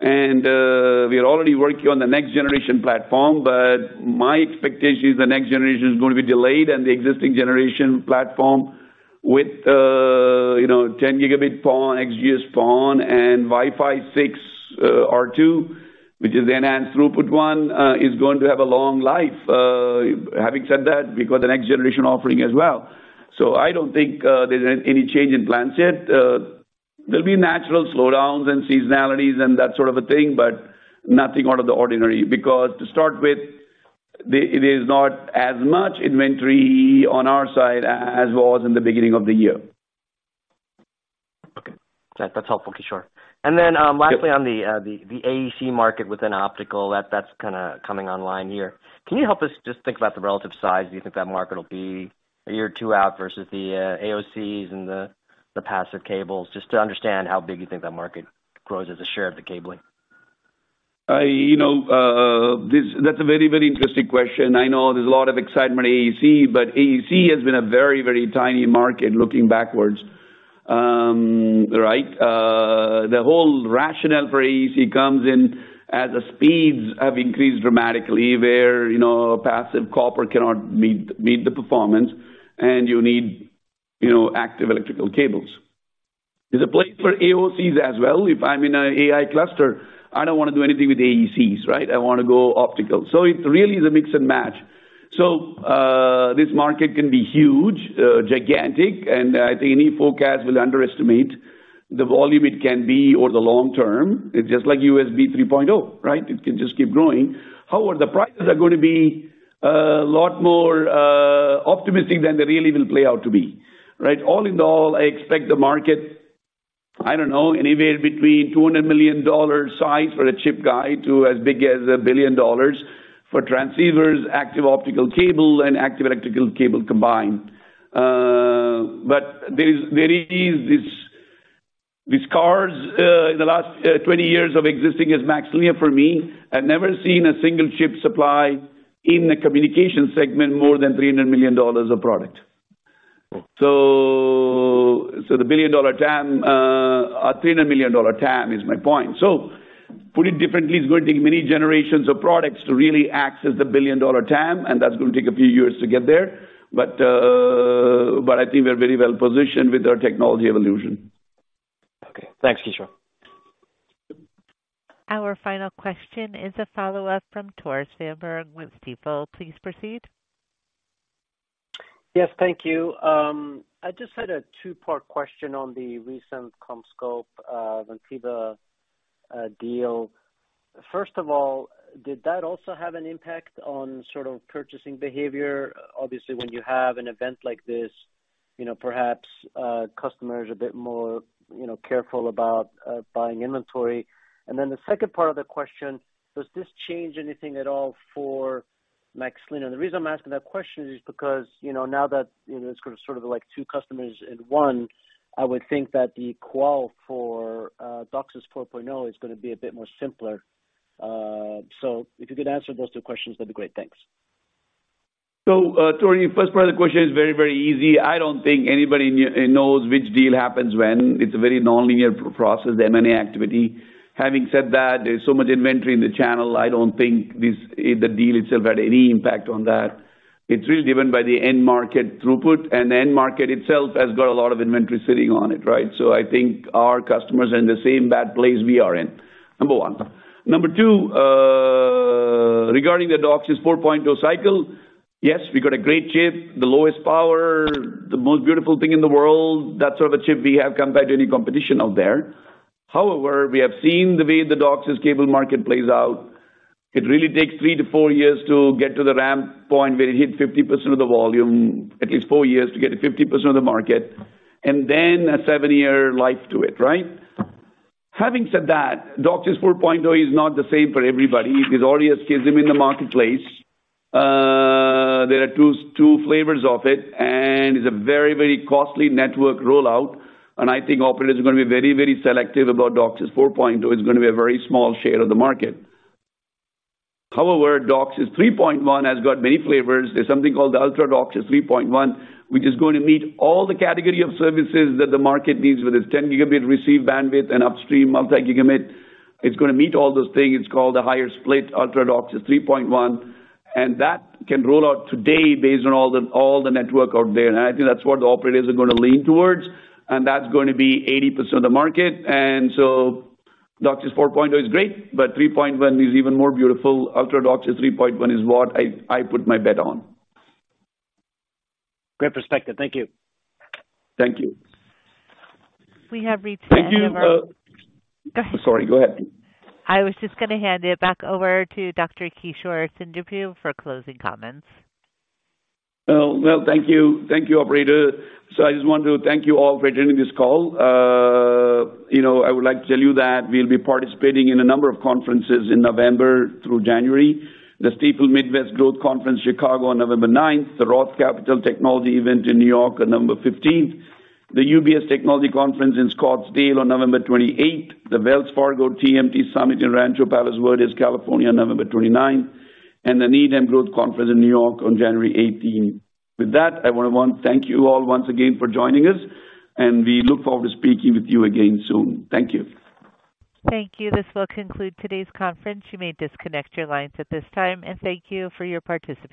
and we are already working on the next generation platform. But my expectation is the next generation is going to be delayed, and the existing generation platform with, you know, 10-gigabit PON, XGS-PON and Wi-Fi 6 R2, which is the enhanced throughput one, is going to have a long life. Having said that, we've got the next generation offering as well. So I don't think there's any change in plans yet. There'll be natural slowdowns and seasonalities and that sort of a thing, but nothing out of the ordinary, because to start with, it is not as much inventory on our side as was in the beginning of the year. Okay. That's helpful, Kishore. And then, lastly, on the AEC market within optical, that's kind of coming online here. Can you help us just think about the relative size you think that market will be a year or two out versus the AOCs and the passive cables, just to understand how big you think that market grows as a share of the cabling? You know, this, that's a very, very interesting question. I know there's a lot of excitement in AEC, but AEC has been a very, very tiny market looking backwards. Right? The whole rationale for AEC comes in as the speeds have increased dramatically, where, you know, passive copper cannot meet, meet the performance and you need, you know, active electrical cables. There's a place for AOCs as well. If I'm in a AI cluster, I don't want to do anything with AECs, right? I want to go optical. So it really is a mix and match. So, this market can be huge, gigantic, and I think any forecast will underestimate the volume it can be over the long term. It's just like USB 3.0, right? It can just keep growing. However, the prices are going to be a lot more optimistic than they really will play out to be, right? All in all, I expect the market, I don't know, anywhere between $200 million dollar size for a chip guy to as big as $1 billion for transceivers, active optical cable and active electrical cable combined. But there is this ceiling in the last 20 years of existing as MaxLinear for me, I've never seen a single chip supply in the communication segment more than $300 million a product. Okay. So the $1 billion TAM, a $300 million TAM is my point. So put it differently, it's going to take many generations of products to really access the $1 billion TAM, and that's going to take a few years to get there. But I think we're very well positioned with our technology evolution. Okay. Thanks, Kishore. Our final question is a follow-up from Tore Svanberg with Stifel. Please proceed. Yes, thank you. I just had a two-part question on the recent CommScope, Vantiva, deal. First of all, did that also have an impact on sort of purchasing behavior? Obviously, when you have an event like this, you know, perhaps customer is a bit more, you know, careful about buying inventory. And then the second part of the question, does this change anything at all for MaxLinear? And the reason I'm asking that question is because, you know, now that, you know, it's kind of, sort of like two customers in one, I would think that the qual for DOCSIS 4.0 is going to be a bit more simpler. So if you could answer those two questions, that'd be great. Thanks. So, Torsten, first part of the question is very, very easy. I don't think anybody knows which deal happens when. It's a very nonlinear process, the M&A activity. Having said that, there's so much inventory in the channel, I don't think this, the deal itself, had any impact on that. It's really driven by the end market throughput, and the end market itself has got a lot of inventory sitting on it, right? So I think our customers are in the same bad place we are in, number one. Number two, regarding the DOCSIS 4.0 cycle, yes, we got a great chip, the lowest power, the most beautiful thing in the world, that sort of a chip we have compared to any competition out there.... However, we have seen the way the DOCSIS cable market plays out. It really takes 3-4 years to get to the ramp point where you hit 50% of the volume, at least 4 years to get to 50% of the market, and then a 7-year life to it, right? Having said that, DOCSIS 4.0 is not the same for everybody. It is already a schism in the marketplace. There are 2 flavors of it, and it's a very, very costly network rollout, and I think operators are going to be very, very selective about DOCSIS 4.0. It's going to be a very small share of the market. However, DOCSIS 3.1 has got many flavors. There's something called the Ultra DOCSIS 3.1, which is going to meet all the category of services that the market needs, whether it's 10 gigabit receive bandwidth and upstream multi-gigabit. It's going to meet all those things. It's called a higher split Ultra DOCSIS 3.1, and that can roll out today based on all the network out there. And I think that's what the operators are going to lean towards, and that's going to be 80% of the market. And so DOCSIS 4.0 is great, but 3.1 is even more beautiful. Ultra DOCSIS 3.1 is what I put my bet on. Great perspective. Thank you. Thank you. We have reached the end of our- Thank you. Go ahead. Sorry, go ahead. I was just going to hand it back over to Dr. Kishore Seendripu for closing comments. Oh, well, thank you. Thank you, operator. So I just want to thank you all for joining this call. You know, I would like to tell you that we'll be participating in a number of conferences in November through January. The Stifel Midwest Growth Conference, Chicago, on November 9. The Roth Capital Technology event in New York on November 15. The UBS Technology Conference in Scottsdale on November 28. The Wells Fargo TMT Summit in Rancho Palos Verdes, California, on November 29. And the Needham Growth Conference in New York on January 18. With that, I want to thank you all once again for joining us, and we look forward to speaking with you again soon. Thank you. Thank you. This will conclude today's conference. You may disconnect your lines at this time, and thank you for your participation.